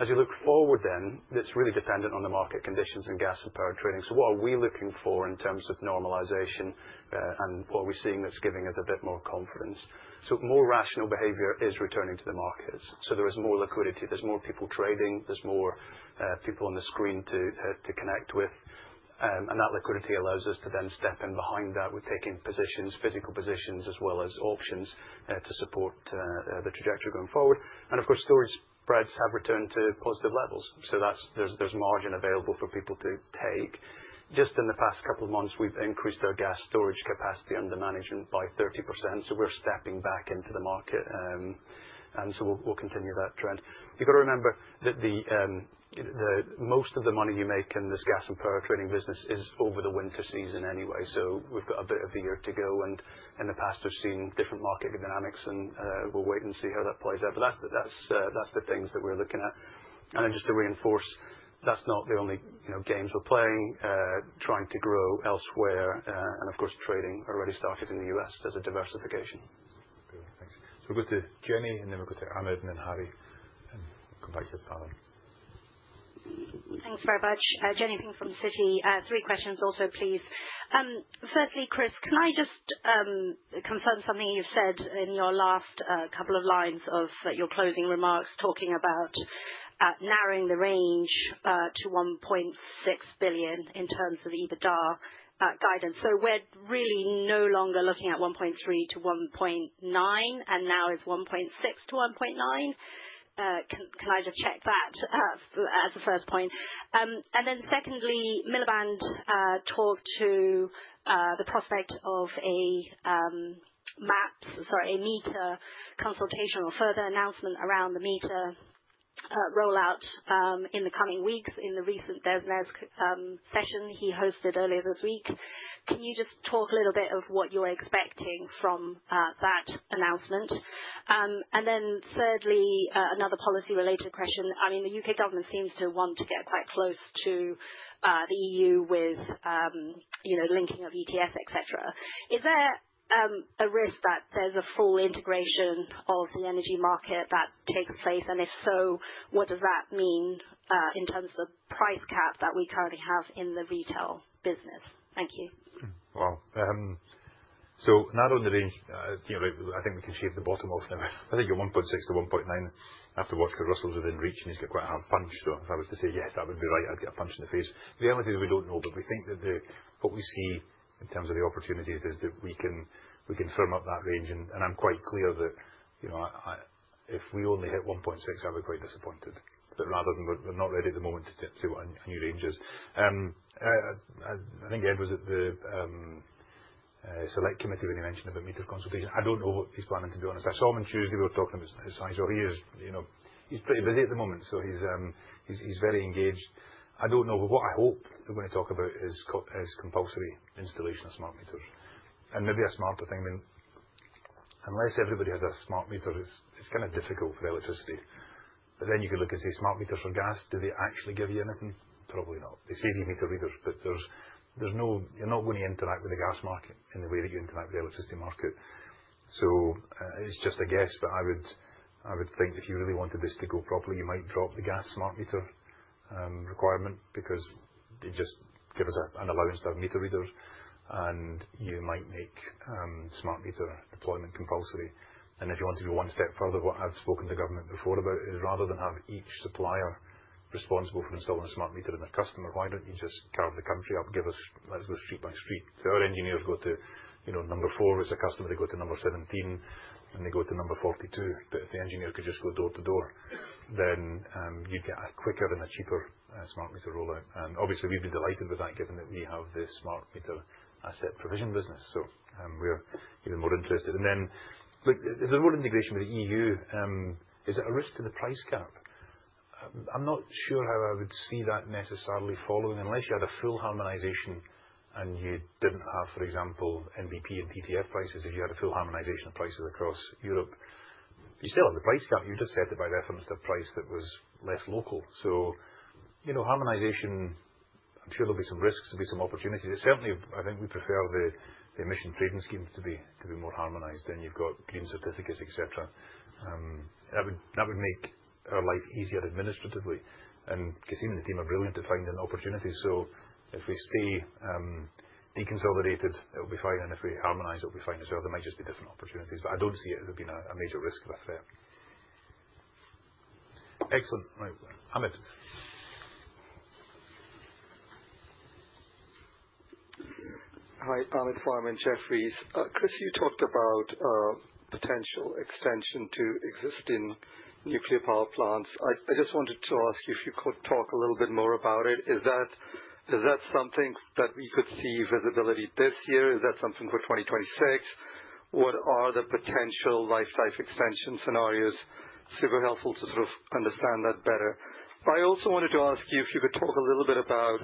As you look forward then, it's really dependent on the market conditions and gas and power trading. What are we looking for in terms of normalization and what are we seeing that's giving us a bit more confidence? More rational behavior is returning to the markets. There is more liquidity. There's more people trading. There's more people on the screen to connect with. That liquidity allows us to then step in behind that with taking positions, physical positions, as well as options to support the trajectory going forward. Of course, storage spreads have returned to positive levels. There's margin available for people to take. Just in the past couple of months, we've increased our gas storage capacity under management by 30%. We're stepping back into the market. We'll continue that trend. You've got to remember that most of the money you make in this gas and power trading business is over the winter season anyway. We've got a bit of a year to go. In the past, we've seen different market dynamics, and we'll wait and see how that plays out. That's the things that we're looking at. Just to reinforce, that's not the only games we're playing, trying to grow elsewhere. Of course, trading already started in the U.S. as a diversification. Thanks. We'll go to Jenny, then we'll go to Ahmed and then Harry. We'll come back to you, Pavan. Thanks very much. Jenny Ping from Citi. Three questions also, please. Firstly, Chris, can I just confirm something you've said in your last couple of lines of your closing remarks talking about narrowing the range to 1.6 billion in terms of EBITDA guidance? So, we're really no longer looking at 1.3 billion-1.9 billion, and now it's 1.6 billion-1.9 billion. Can I just check that as a first point? Secondly, Miliband talked to the prospect of a meter consultation or further announcement around the meter rollout in the coming weeks in the recent business session he hosted earlier this week. Can you just talk a little bit of what you're expecting from that announcement? Thirdly, another policy-related question. I mean, the U.K. government seems to want to get quite close to the EU with linking of ETS, etc. Is there a risk that there's a full integration of the energy market that takes place? If so, what does that mean in terms of the price cap that we currently have in the retail business? Thank you. Not on the range. I think we can shave the bottom off now. I think you're 1.6-1.9. I have to watch because Russell's within reach. And he's got quite a hard punch. If I was to say, "Yes, that would be right," I'd get a punch in the face. The only thing we don't know, but we think that what we see in terms of the opportunities is that we can firm up that range. I'm quite clear that if we only hit 1.6, I would be quite disappointed. Rather than we're not ready at the moment to see what our new range is. I think Ed was at the Select Committee when he mentioned about meter consultation. I don't know what he's planning, to be honest. I saw him on Tuesday. We were talking about Sizewell. He's pretty busy at the moment. He's very engaged. I don't know. What I hope they're going to talk about is compulsory installation of smart meters. Maybe a smarter thing. I mean, unless everybody has a smart meter, it's kind of difficult for electricity. You could look and say, "Smart meters for gas, do they actually give you anything?" Probably not. They say they give you meter readers, but you're not going to interact with the gas market in the way that you interact with the electricity market. It's just a guess. I would think if you really wanted this to go properly, you might drop the gas smart meter requirement because it just gives us an allowance to have meter readers. You might make smart meter deployment compulsory. If you want to go one step further, what I've spoken to government before about is rather than have each supplier responsible for installing a smart meter in their customer, why don't you just carve the country up? Let's go street by street. Our engineers go to number four, it's a customer, they go to number 17, and they go to number 42. If the engineer could just go door to door, then you'd get a quicker and a cheaper smart meter rollout. Obviously, we'd be delighted with that given that we have this smart meter asset provision business. We're even more interested. There's more integration with the EU. Is it a risk to the price cap? I'm not sure how I would see that necessarily following unless you had a full harmonization and you didn't have, for example, NBP and TTF prices. If you had a full harmonization of prices across Europe, you still have the price cap. You just set it by reference to a price that was less local. Harmonization, I'm sure there'll be some risks. There'll be some opportunities. Certainly, I think we prefer the Emission Trading Schemes to be more harmonized than you've got green certificates, etc. That would make our life easier administratively. Cassim and the team are brilliant at finding opportunities. If we stay deconsolidated, it'll be fine. If we harmonize, it'll be fine as well. There might just be different opportunities. I don't see it as being a major risk or a threat. Excellent. Ahmed Hi, Ahmed Farman, Jefferies. Chris, you talked about potential extension to existing nuclear power plants. I just wanted to ask you if you could talk a little bit more about it. Is that something that we could see visibility this year? Is that something for 2026? What are the potential lifetime extension scenarios? Super helpful to sort of understand that better. I also wanted to ask you if you could talk a little bit about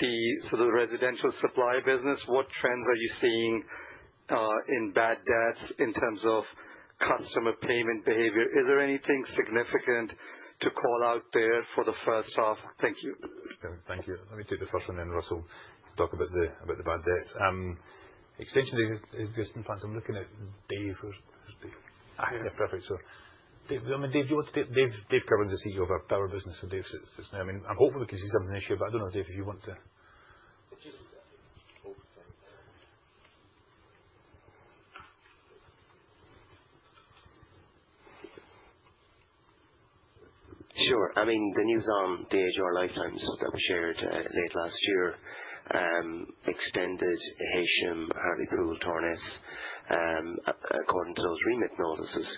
the residential supply business. What trends are you seeing in bad debts in terms of customer payment behavior? Is there anything significant to call out there for the first half? Thank you. Thank you. Let me take the first one then, Russell, talk about the bad debt extension is existing plants. I'm looking at Dave. Yeah, perfect. Dave Kirwan, the CEO of our power business. Dave sits there. I mean, I'm hopeful we can see something this year, but I don't know, Dave, if you want to. Sure. I mean, the news on the AGR lifetimes that we shared late last year. Extended Heysham, Hartlepool, Torness. According to those REMIT notices.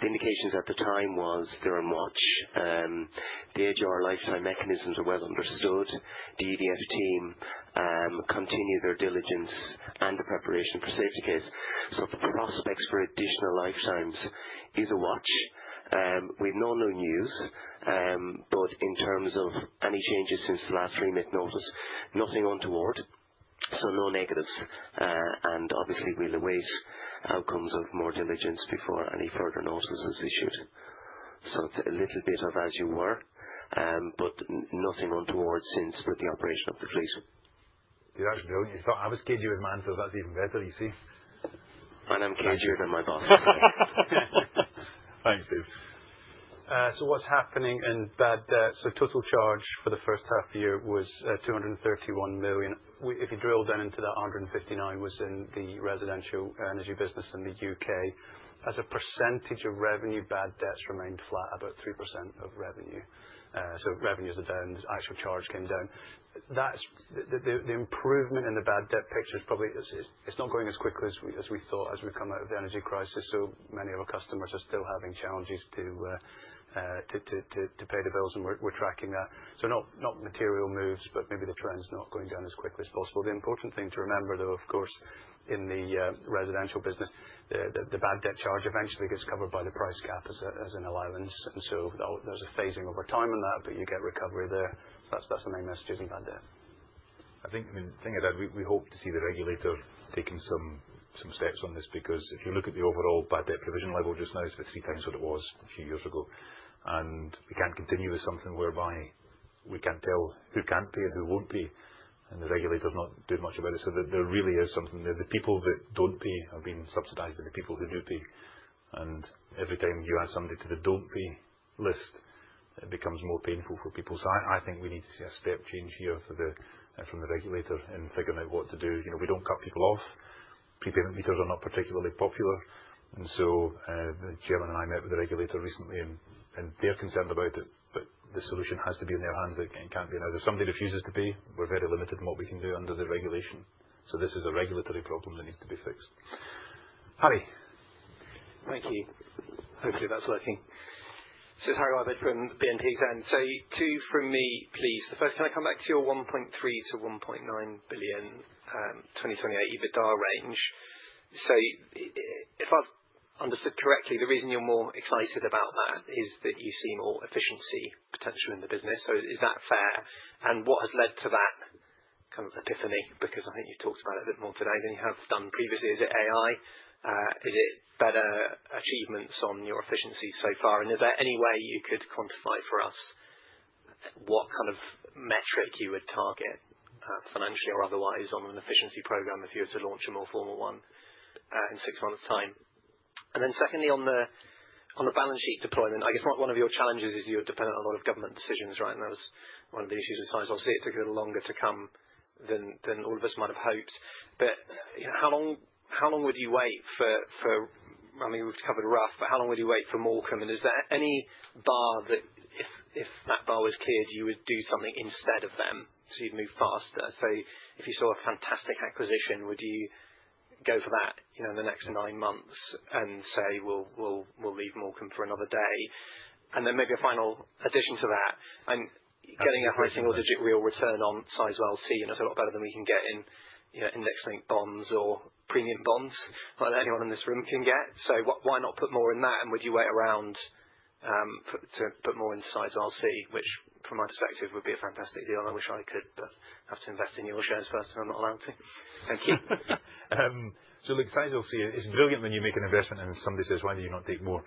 The indications at the time were there are much. The AGR lifetime mechanisms are well understood. The EDF team continue their diligence and the preparation for safety case. The prospects for additional lifetimes is a watch. We've no new news. In terms of any changes since the last REMIT notice, nothing untoward. No negatives. Obviously, we'll await outcomes of more diligence before any further notice is issued. It's a little bit of as you were, but nothing untoward since with the operation of the fleet. You thought I was cagey with my answers, so that's even better. You see? I'm cagier than my boss. Thanks, Dave. What's happening in bad debt? Total charge for the first half year was 231 million. If you drill down into that, 159 million was in the residential energy business in the U.K. As a percentage of revenue, bad debt's remained flat, about 3% of revenue. Revenues are down. The actual charge came down. The improvement in the bad debt picture is probably it's not going as quickly as we thought as we've come out of the energy crisis. Many of our customers are still having challenges to pay the bills, and we're tracking that. Not material moves, but maybe the trend's not going down as quickly as possible. The important thing to remember, though, of course, in the residential business, the bad debt charge eventually gets covered by the price cap as an allowance. There's a phasing over time in that, but you get recovery there. That's the main message in bad debt. I mean, the thing is that we hope to see the regulator taking some steps on this because if you look at the overall bad debt provision level just now, it's about three times what it was a few years ago. We can't continue with something whereby we can't tell who can't pay and who won't pay. The regulator's not doing much about it. There really is something. The people that don't pay have been subsidized by the people who do pay. Every time you add somebody to the don't pay list, it becomes more painful for people. I think we need to see a step change here from the regulator in figuring out what to do. We don't cut people off. Prepayment meters are not particularly popular. The Chairman and I met with the regulator recently, and they're concerned about it. The solution has to be in their hands. It can't be another. If somebody refuses to pay, we're very limited in what we can do under the regulation. This is a regulatory problem that needs to be fixed. Harry. Thank you. Hopefully, that's working. So it's Harry Wyburd from BNP Exane. Two from me, please. The first, can I come back to your 1.3 billion-1.9 billion 2028 EBITDA range? If I've understood correctly, the reason you're more excited about that is that you see more efficiency potential in the business. Is that fair? What has led to that kind of epiphany? I think you've talked about it a bit more today than you have done previously. Is it AI? Is it better achievements on your efficiency so far? Is there any way you could quantify for us what kind of metric you would target financially or otherwise on an efficiency program if you were to launch a more formal one in six months' time? Secondly, on the balance sheet deployment, I guess one of your challenges is you're dependent on a lot of government decisions, right? That was one of the issues with Sizewell. Obviously, it took a little longer to come than all of us might have hoped. How long would you wait for—I mean, we've covered Rough—but how long would you wait for Morecambe? Is there any bar that if that bar was cleared, you would do something instead of them so you'd move faster? If you saw a fantastic acquisition, would you go for that in the next nine months and say, "We'll leave Morecambe for another day"? Maybe a final addition to that. Getting a high single-digit real return on Sizewell C, you know, it's a lot better than we can get in index-linked bonds or premium bonds like anyone in this room can get. Why not put more in that? Would you wait around to put more into Sizewell C, which from my perspective would be a fantastic deal? I wish I could, but I have to invest in your shares first, and I'm not allowed to. Thank you. Look, Sizewell C, it's brilliant when you make an investment and somebody says, "Why do you not take more?"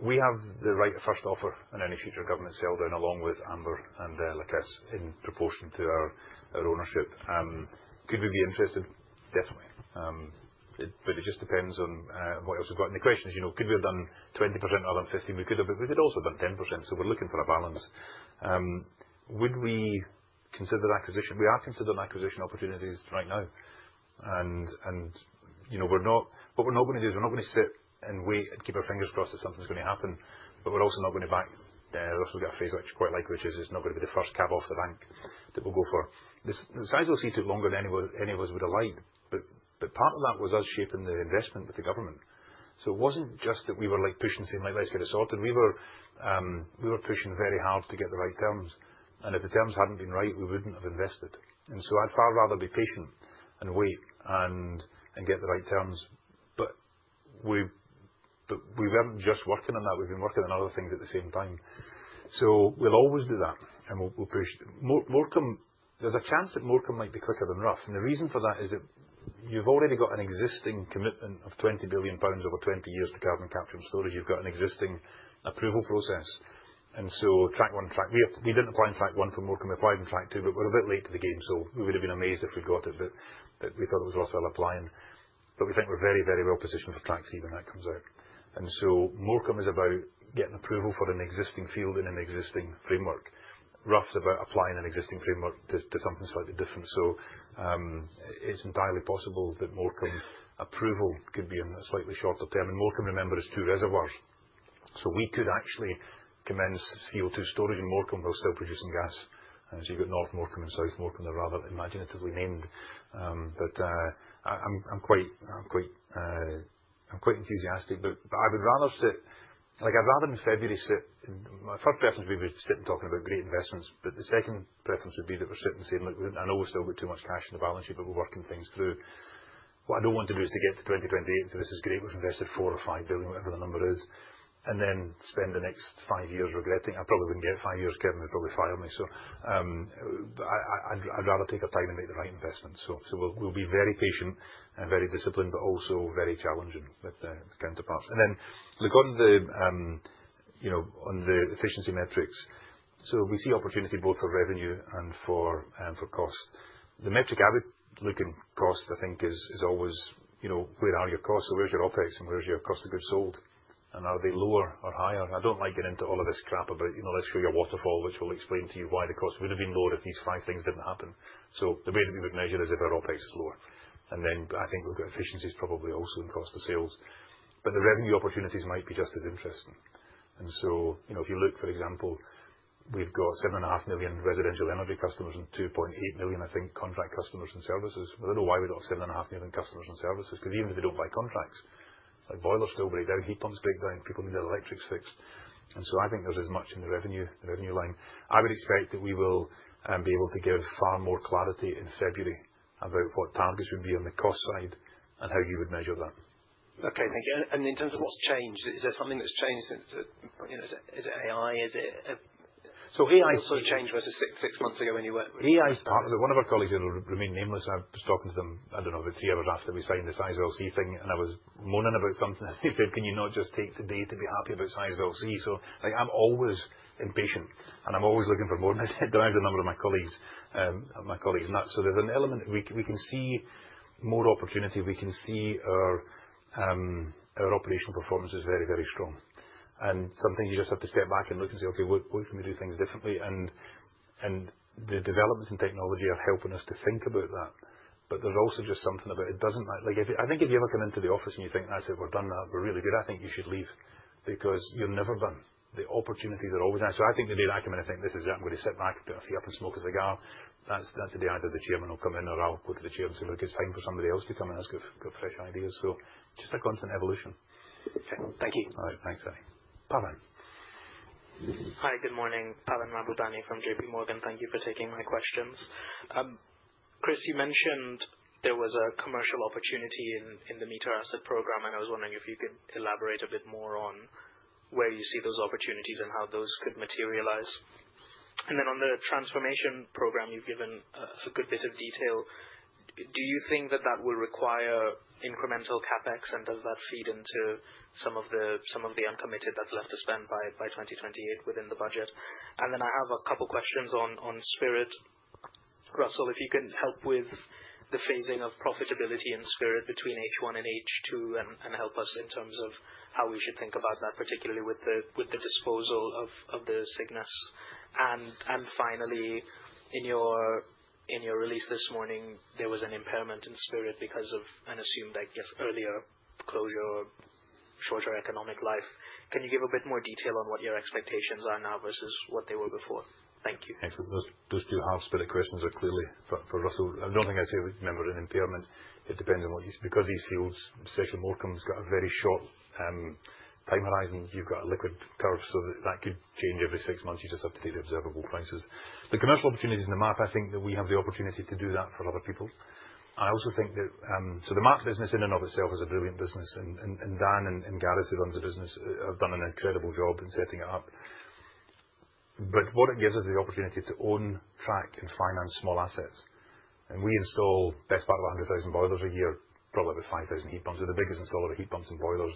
We have the right of first offer on any future government sale done along with Amber and La Caisse in proportion to our ownership. Could we be interested? Definitely. It just depends on what else we've got. The question is, could we have done 20% rather than 50%? We could have, but we could also have done 10%. We're looking for a balance. Would we consider acquisition? We are considering acquisition opportunities right now. What we're not going to do is we're not going to sit and wait and keep our fingers crossed that something's going to happen. We're also not going to back—Russell's got a phrase I quite like, which is it's not going to be the first cab off the rank that we'll go for. Sizewell C took longer than any of us would have liked. Part of that was us shaping the investment with the government. It wasn't just that we were pushing and saying, "Let's get it sorted." We were pushing very hard to get the right terms. If the terms hadn't been right, we wouldn't have invested. I'd far rather be patient and wait and get the right terms. We weren't just working on that. We've been working on other things at the same time. We'll always do that. Morecambe, there's a chance that Morecambe might be quicker than Rough. The reason for that is that you've already got an existing commitment of 20 billion pounds over 20 years to carbon capture and storage. You've got an existing approval process. Track one, track—we didn't apply in track one for Morecambe. We applied in track two, but we were a bit late to the game. We would have been amazed if we'd got it. We thought it was worthwhile applying. We think we're very, very well positioned for track three when that comes out. Morecambe is about getting approval for an existing field in an existing framework. Rough's about applying an existing framework to something slightly different. It's entirely possible that Morecambe's approval could be in a slightly shorter term. Morecambe, remember, is two reservoirs. We could actually commence CO2 storage, and Morecambe will still produce some gas. You've got North Morecambe and South Morecambe. They're rather imaginatively named. I'm quite enthusiastic. I would rather in February sit—my first preference would be we're sitting talking about great investments. The second preference would be that we're sitting saying, "Look, I know we've still got too much cash in the balance sheet, but we're working things through." What I don't want to do is to get to 2028 and say, "This is great. We've invested 4 billion-5 billion, whatever the number is," and then spend the next five years regretting. I probably would not get five years. Kevin would probably fire me. I would rather take our time and make the right investment. We will be very patient and very disciplined, but also very challenging with the counterparts. Look on the efficiency metrics. We see opportunity both for revenue and for cost. The metric I would look in cost, I think, is always: Where are your costs? Where is your OpEx and where is your cost of goods sold? Are they lower or higher? I do not like getting into all of this crap about, "Let us show you a waterfall," which will explain to you why the cost would have been lower if these five things did not happen. The way that we would measure it is if our OpEx is lower. I think we have got efficiencies probably also in cost of sales. The revenue opportunities might be just as interesting. If you look, for example, we have got 7.5 million residential energy customers and 2.8 million, I think, contract customers and services. I do not know why we have got 7.5 million customers and services because even if they do not buy contracts, like boilers still break down, heat pumps break down, people need their electrics fixed. I think there is as much in the revenue line. I would expect that we will be able to give far more clarity in February about what targets would be on the cost side and how you would measure that. Okay. Thank you. In terms of what's changed, is there something that's changed? Is it AI? Is it— AI's sort of changed versus six months ago when you were— AI's part of it. One of our colleagues here will remain nameless. I was talking to them, I don't know, about three hours after we signed the Sizewell C thing, and I was moaning about something. He said, "Can you not just take today to be happy about Sizewell C?" I'm always impatient, and I'm always looking for more. I said, "Don't worry about the number of my colleagues." There's an element. We can see more opportunity. We can see our operational performance is very, very strong. Sometimes you just have to step back and look and say, "Okay, what can we do things differently?" The developments in technology are helping us to think about that. There's also just something about it. I think if you ever come into the office and you think, "That's it. We're done now. We're really good," I think you should leave because you're never done. The opportunities are always there. I think the day that I come in, I think, "This is it. I'm going to sit back, put a few up and smoke a cigar." That's the day either the Chairman will come in or I'll go to the Chairman and say, "Look, it's time for somebody else to come and ask for fresh ideas." Just a constant evolution. Okay. Thank you. All right. Thanks, Harry. Pavan. Hi. Good morning. Pavan Mahbubani from JPMorgan. Thank you for taking my questions. Chris, you mentioned there was a commercial opportunity in the meter asset program, and I was wondering if you could elaborate a bit more on where you see those opportunities and how those could materialize. On the transformation program, you've given a good bit of detail. Do you think that that will require incremental CapEx, and does that feed into some of the uncommitted that's left to spend by 2028 within the budget? I have a couple of questions on Spirit. Russell, if you can help with the phasing of profitability in Spirit between H1 and H2 and help us in terms of how we should think about that, particularly with the disposal of the Cygnus. Finally, in your release this morning, there was an impairment in Spirit because of an assumed, I guess, earlier closure or shorter economic life. Can you give a bit more detail on what your expectations are now versus what they were before? Thank you. Thanks. Those two hard Spirit questions are clearly for Russell. I do not think I would say we would remember an impairment. It depends on what you—because these fields, especially Morecambe's, have got a very short time horizon, you have got a liquid curve. That could change every six months. You just have to take the observable prices. The commercial opportunities in the MAP, I think that we have the opportunity to do that for other people. I also think that the MAP business in and of itself is a brilliant business. Dan and Gareth, who run the business, have done an incredible job in setting it up. What it gives us is the opportunity to own, track, and finance small assets. We install the best part of 100,000 boilers a year, probably about 5,000 heat pumps. We are the biggest installer of heat pumps and boilers.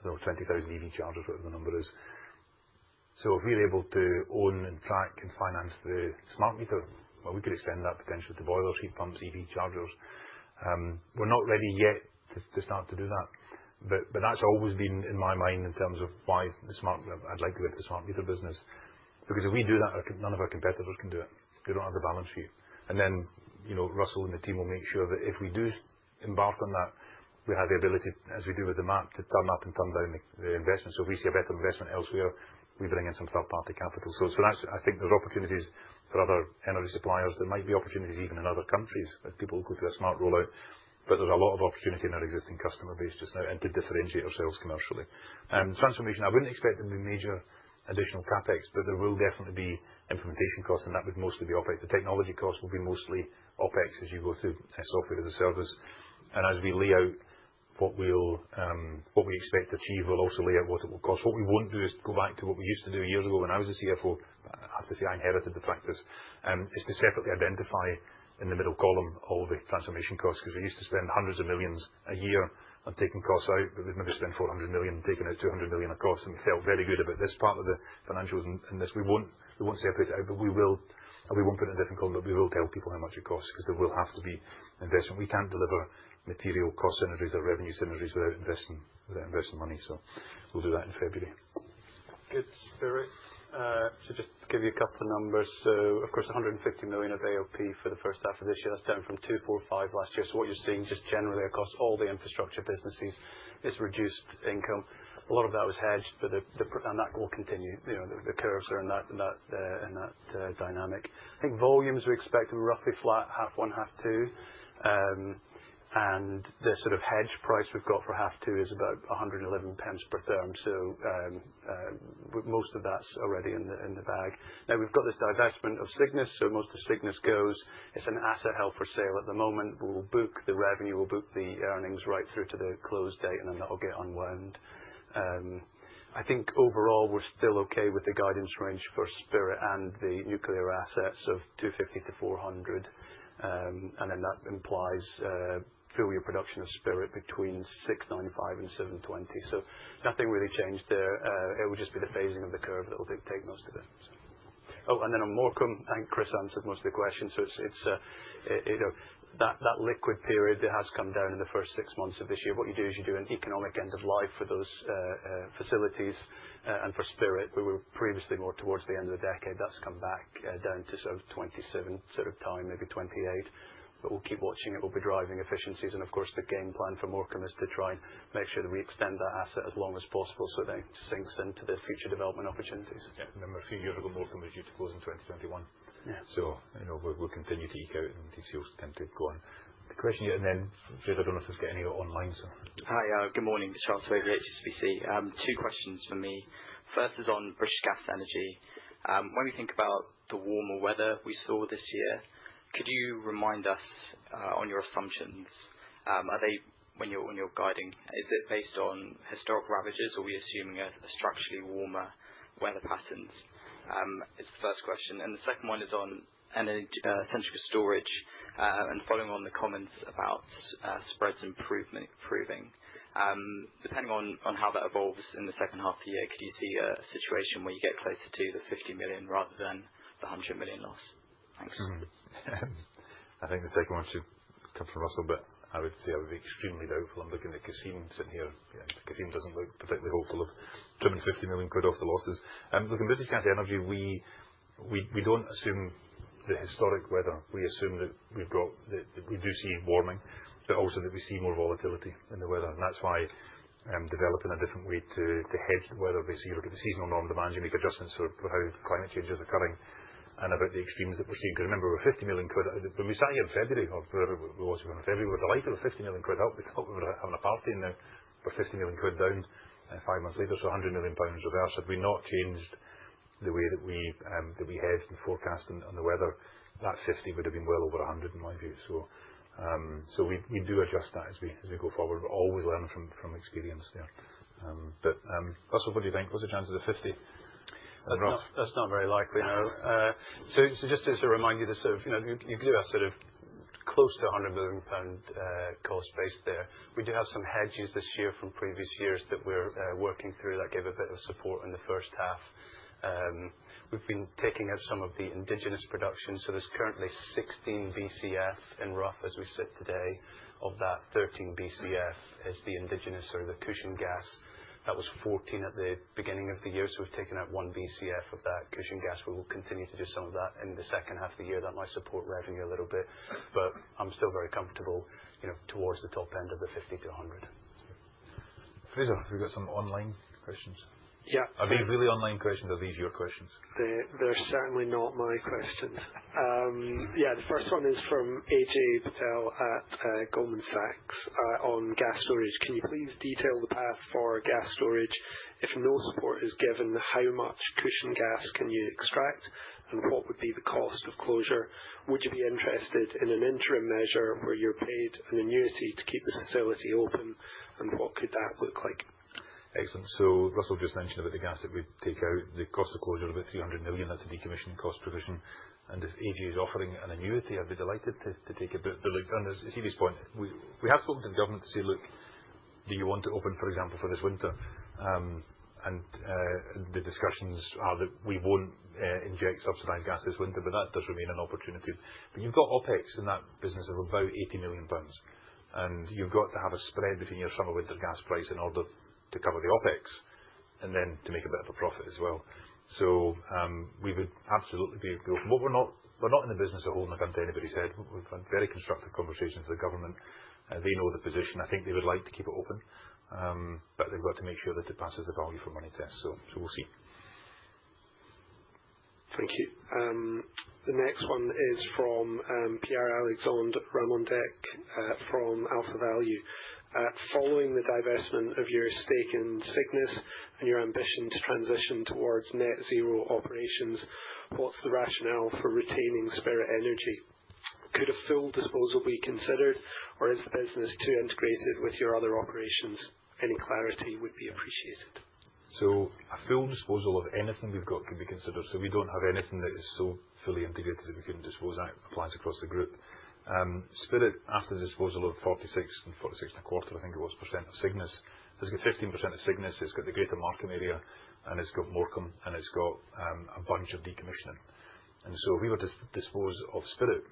I do not know, 20,000 EV chargers, whatever the number is. If we are able to own and track and finance the smart meter, we could extend that potentially to boilers, heat pumps, EV chargers. We are not ready yet to start to do that. That has always been in my mind in terms of why I would like to go to the smart meter business. If we do that, none of our competitors can do it. We do not have the balance sheet. Russell and the team will make sure that if we do embark on that, we have the ability, as we do with the MAP, to turn up and turn down the investment. If we see a better investment elsewhere, we bring in some third-party capital. I think there are opportunities for other energy suppliers. There might be opportunities even in other countries as people will go through a smart rollout. There is a lot of opportunity in our existing customer base just now and to differentiate ourselves commercially. Transformation, I would not expect there would be major additional CapEx, but there will definitely be implementation costs, and that would mostly be OpEx. The technology costs will be mostly OpEx as you go through a software as a service. As we lay out what we expect to achieve, we will also lay out what it will cost. What we will not do is go back to what we used to do years ago when I was a CFO. I have to say I inherited the practice, is to separately identify in the middle column all the transformation costs because we used to spend hundreds of millions a year on taking costs out. We have never spent 400 million and taken out 200 million across. We felt very good about this part of the financials and this. We will not separate it out, and we will not put it in a different column, but we will tell people how much it costs because there will have to be investment. We cannot deliver material cost synergies or revenue synergies without investing money. We will do that in February. Good. Spirit. So just to give you a couple of numbers. Of course, 150 million of AOP for the first half of this year. That is down from 245 million last year. What you are seeing just generally across all the infrastructure businesses is reduced income. A lot of that was hedged, and that will continue. The curves are in that dynamic. I think volumes we expect are roughly flat, half one, half two. The sort of hedge price we have got for half two is about 1.11 per therm. Most of that is already in the bag. Now, we have got this divestment of Cygnus. Most of Cygnus goes. It is an asset held for sale at the moment. We will book the revenue. We will book the earnings right through to the close date, and then that will get unwound. I think overall, we are still okay with the guidance range for Spirit and the nuclear assets of 250 million-400 million. That implies full year production of Spirit between 695 and 720. Nothing really changed there. It will just be the phasing of the curve that will take most of it. Oh, and then on Morecambe, I think Chris answered most of the questions. That liquid period, it has come down in the first six months of this year. What you do is you do an economic end of life for those facilities and for Spirit, where we were previously more towards the end of the decade. That has come back down to sort of 2027 sort of time, maybe 2028. We will keep watching it. We will be driving efficiencies. Of course, the game plan for Morecambe is to try and make sure that we extend that asset as long as possible so that it sinks into the future development opportunities. Yeah. Remember, a few years ago, Morecambe was due to close in 2021. So we'll continue to eke out, and these deals tend to go on. The question you had then, Chris, I don't know if it's getting any online, so. Hi. Good morning. Charles of HSBC. Two questions for me. First is on British Gas Energy. When we think about the warmer weather we saw this year, could you remind us on your assumptions, when you're guiding, is it based on historic averages or are we assuming a structurally warmer weather pattern? It's the first question. The second one is on central storage and following on the comments about spreads improving. Depending on how that evolves in the second half of the year, could you see a situation where you get closer to the 50 million rather than the 100 million loss? Thanks. I think the second one should come from Russell, but I would say I would be extremely doubtful. I'm looking at Cassim sitting here. Cassim doesn't look particularly hopeful of trimming 50 million quid off the losses. Looking, British Gas Energy, we don't assume the historic weather. We assume that we've got—we do see warming, but also that we see more volatility in the weather. That is why developing a different way to hedge the weather, basically, you look at the seasonal norm demands. You make adjustments for how climate change is occurring and about the extremes that we're seeing. Because remember, we're 50 million quid. When we sat here in February, or whatever we watched from February, we were delighted. We were 50 million quid. We thought we were having a party in there. We're 50 million quid down five months later. 100 million pounds reversed. Had we not changed the way that we hedged and forecast on the weather, that 50 would have been well over 100 in my view. We do adjust that as we go forward. We're always learning from experience there. Russell, what do you think? What's the chance of the 50? That's not very likely, no. Just to sort of remind you, you do have sort of close to 100 million pound cost base there. We do have some hedges this year from previous years that we're working through that gave a bit of support in the first half. We've been taking out some of the indigenous production. There's currently 16 BCF in Rough as we sit today. Of that, 13 BCF is the indigenous or the cushion gas. That was 14 at the beginning of the year. We've taken out 1 BCF of that cushion gas. We will continue to do some of that in the second half of the year. That might support revenue a little bit. I'm still very comfortable towards the top end of the 50-100. Fraser, have you got some online questions? Yeah. Are these really online questions or are these your questions? They're certainly not my questions. Yeah. The first one is from AJ Patel at Goldman Sachs on gas storage. Can you please detail the path for gas storage? If no support is given, how much cushion gas can you extract, and what would be the cost of closure? Would you be interested in an interim measure where you're paid an annuity to keep the facility open, and what could that look like? Excellent. Russell just mentioned about the gas that we would take out. The cost of closure is about 300 million. That is a decommissioning cost provision. If AJ is offering an annuity, I would be delighted to take a bit of a look. As CB pointed out, we have spoken to the government to say, "Look, do you want to open, for example, for this winter?" The discussions are that we will not inject subsidized gas this winter, but that does remain an opportunity. You have OpEx in that business of about 80 million pounds. You have to have a spread between your summer and winter gas price in order to cover the OpEx and then to make a bit of a profit as well. We would absolutely be open. We are not in the business of holding account to anybody's head. We have had very constructive conversations with the government. They know the position. I think they would like to keep it open, but they have to make sure that it passes the value-for-money test. We will see. Thank you. The next one is from Pierre-Alexandre Ramondenc from Alpha Value. Following the divestment of your stake in Cygnus and your ambition to transition towards net-zero operations, what's the rationale for retaining Spirit Energy? Could a full disposal be considered, or is the business too integrated with your other operations? Any clarity would be appreciated. A full disposal of anything we've got could be considered. We don't have anything that is so fully integrated that we couldn't dispose. That applies across the group. Spirit, after the disposal of 46.25% of Cygnus, has got 15% of Cygnus. It's got the Greater Markham Area, and it's got Morecambe, and it's got a bunch of decommissioning. If we were to dispose of Spirit,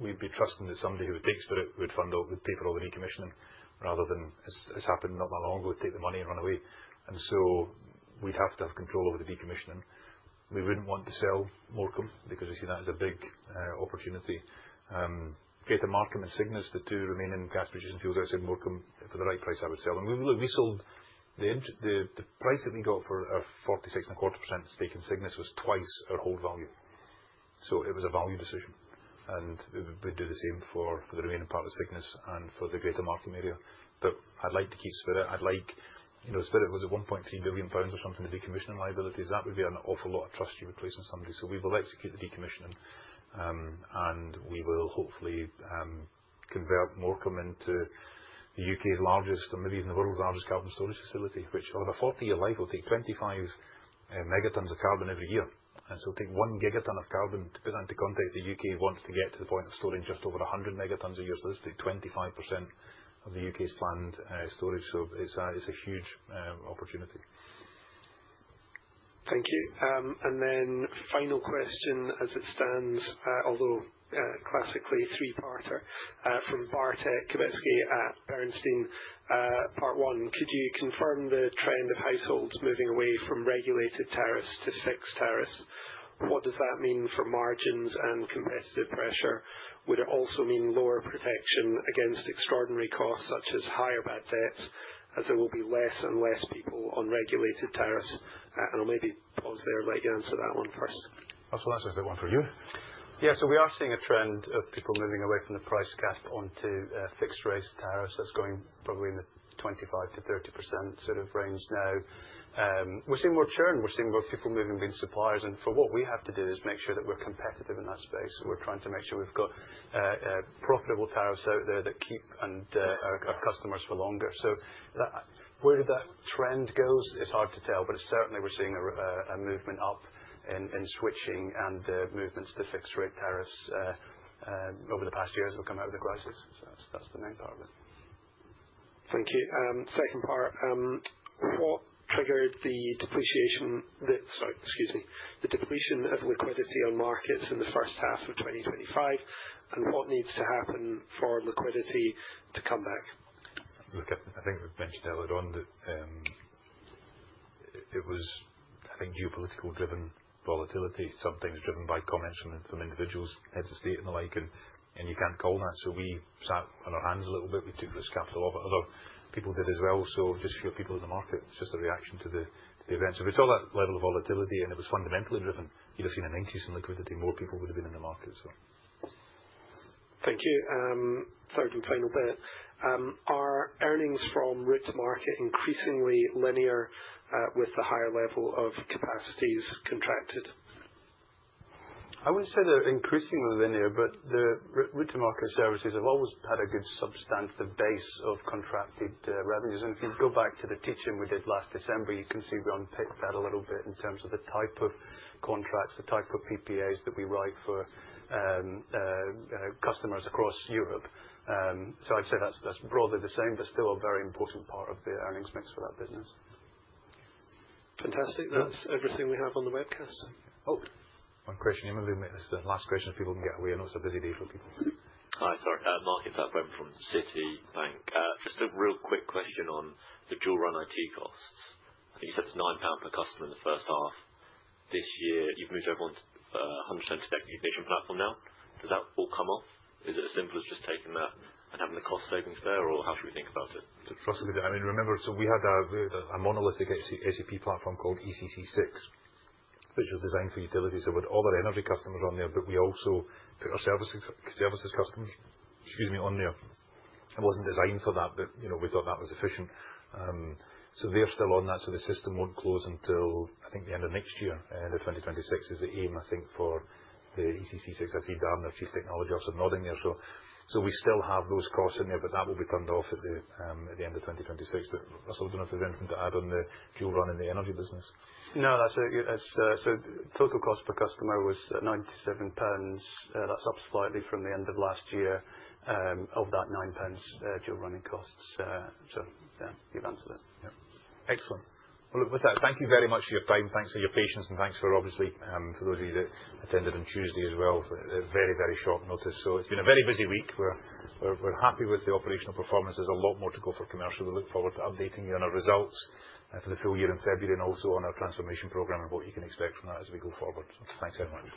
we'd be trusting that somebody who would take Spirit, we'd fund out, we'd pay for all the decommissioning, rather than as happened not that long ago, take the money and run away. We'd have to have control over the decommissioning. We wouldn't want to sell Morecambe because we see that as a big opportunity. Greater Markham and Cygnus, the two remaining gas producing fields outside Morecambe, for the right price, I would sell them. Look, the price that we got for our 46.25% stake in Cygnus was twice our hold value. It was a value decision. We'd do the same for the remaining part of Cygnus and for the Greater Markham Area. I'd like to keep Spirit. Spirit was at 1.3 billion pounds or something of decommissioning liabilities. That would be an awful lot of trust you would place in somebody. We will execute the decommissioning. We will hopefully convert Morecambe into the U.K.'s largest or maybe even the world's largest carbon storage facility, which over a 40-year life will take 25 megatons of carbon every year. To put that into context, the U.K. wants to get to the point of storing just over 100 megatons a year. This would take 25% of the U.K.'s planned storage. It's a huge opportunity. Thank you. Final question as it stands, although classically a three-parter, from Bartek Kubicki at Bernstein, part one. Could you confirm the trend of households moving away from regulated tariffs to fixed tariffs? What does that mean for margins and competitive pressure? Would it also mean lower protection against extraordinary costs such as higher bad debts, as there will be less and less people on regulated tariffs? I'll maybe pause there and let you answer that one first. Russell, that's a good one for you. Yeah. So we are seeing a trend of people moving away from the price cap onto fixed rate tariffs. That's going probably in the 25%-30% sort of range now. We're seeing more churn. We're seeing more people moving between suppliers. For what we have to do is make sure that we're competitive in that space. We're trying to make sure we've got profitable tariffs out there that keep our customers for longer. Where did that trend go? It's hard to tell, but certainly we're seeing a movement up in switching and movements to fixed rate tariffs over the past year as we come out of the crisis. That's the main part of it. Thank you. Second part. What triggered the depreciation, sorry, excuse me, the depletion of liquidity on markets in the first half of 2025, and what needs to happen for liquidity to come back? Look, I think we've mentioned earlier on that. It was, I think, geopolitical-driven volatility. Some things driven by comments from individuals, heads of state, and the like. You can't call that. We sat on our hands a little bit. We took risk capital off it. Other people did as well. Just fewer people in the market. It's just a reaction to the events. If we saw that level of volatility and it was fundamentally driven, you'd have seen an increase in liquidity, more people would have been in the market. Thank you. Third and final bit. Are earnings from route-to-market increasingly linear with the higher level of capacities contracted? I wouldn't say they're increasingly linear, but the RIT market services have always had a good substantive base of contracted revenues. If you go back to the teaching we did last December, you can see we unpicked that a little bit in terms of the type of contracts, the type of PPAs that we write for customers across Europe. I'd say that's broadly the same, but still a very important part of the earnings mix for that business. Fantastic. That's everything we have on the webcast. Oh. One question. Let me make this the last question so people can get away. I know it's a busy day for people. Hi. Sorry. Mark from Citibank. Just a real quick question on the dual-run IT costs. I think you said it is 9 pound per customer in the first half this year. You have moved over onto a 100% onto Ignition platform now. Does that all come off? Is it as simple as just taking that and having the cost savings there, or how should we think about it? I mean, remember, we had a monolithic SAP platform called ECC6, which was designed for utilities. We had all our energy customers on there, but we also put our services customers on there. It was not designed for that, but we thought that was efficient. They are still on that. The system will not close until, I think, the end of next year. End of 2026 is the aim, I think, for the ECC6. I see Darren, our Chief Technology, also nodding there. We still have those costs in there, but that will be turned off at the end of 2026. Russell, I do not know if there is anything to add on the dual-run in the energy business. No, that's it. Total cost per customer was 97 pounds. That's up slightly from the end of last year, of that 9 pounds dual-running cost. Yeah, you've answered it. Yeah. Excellent. With that, thank you very much for your time. Thanks for your patience. Thanks for, obviously, for those of you that attended on Tuesday as well for very, very short notice. It has been a very busy week. We're happy with the operational performance. There's a lot more to go for commercial. We look forward to updating you on our results for the full year in February and also on our transformation program and what you can expect from that as we go forward. Thanks very much.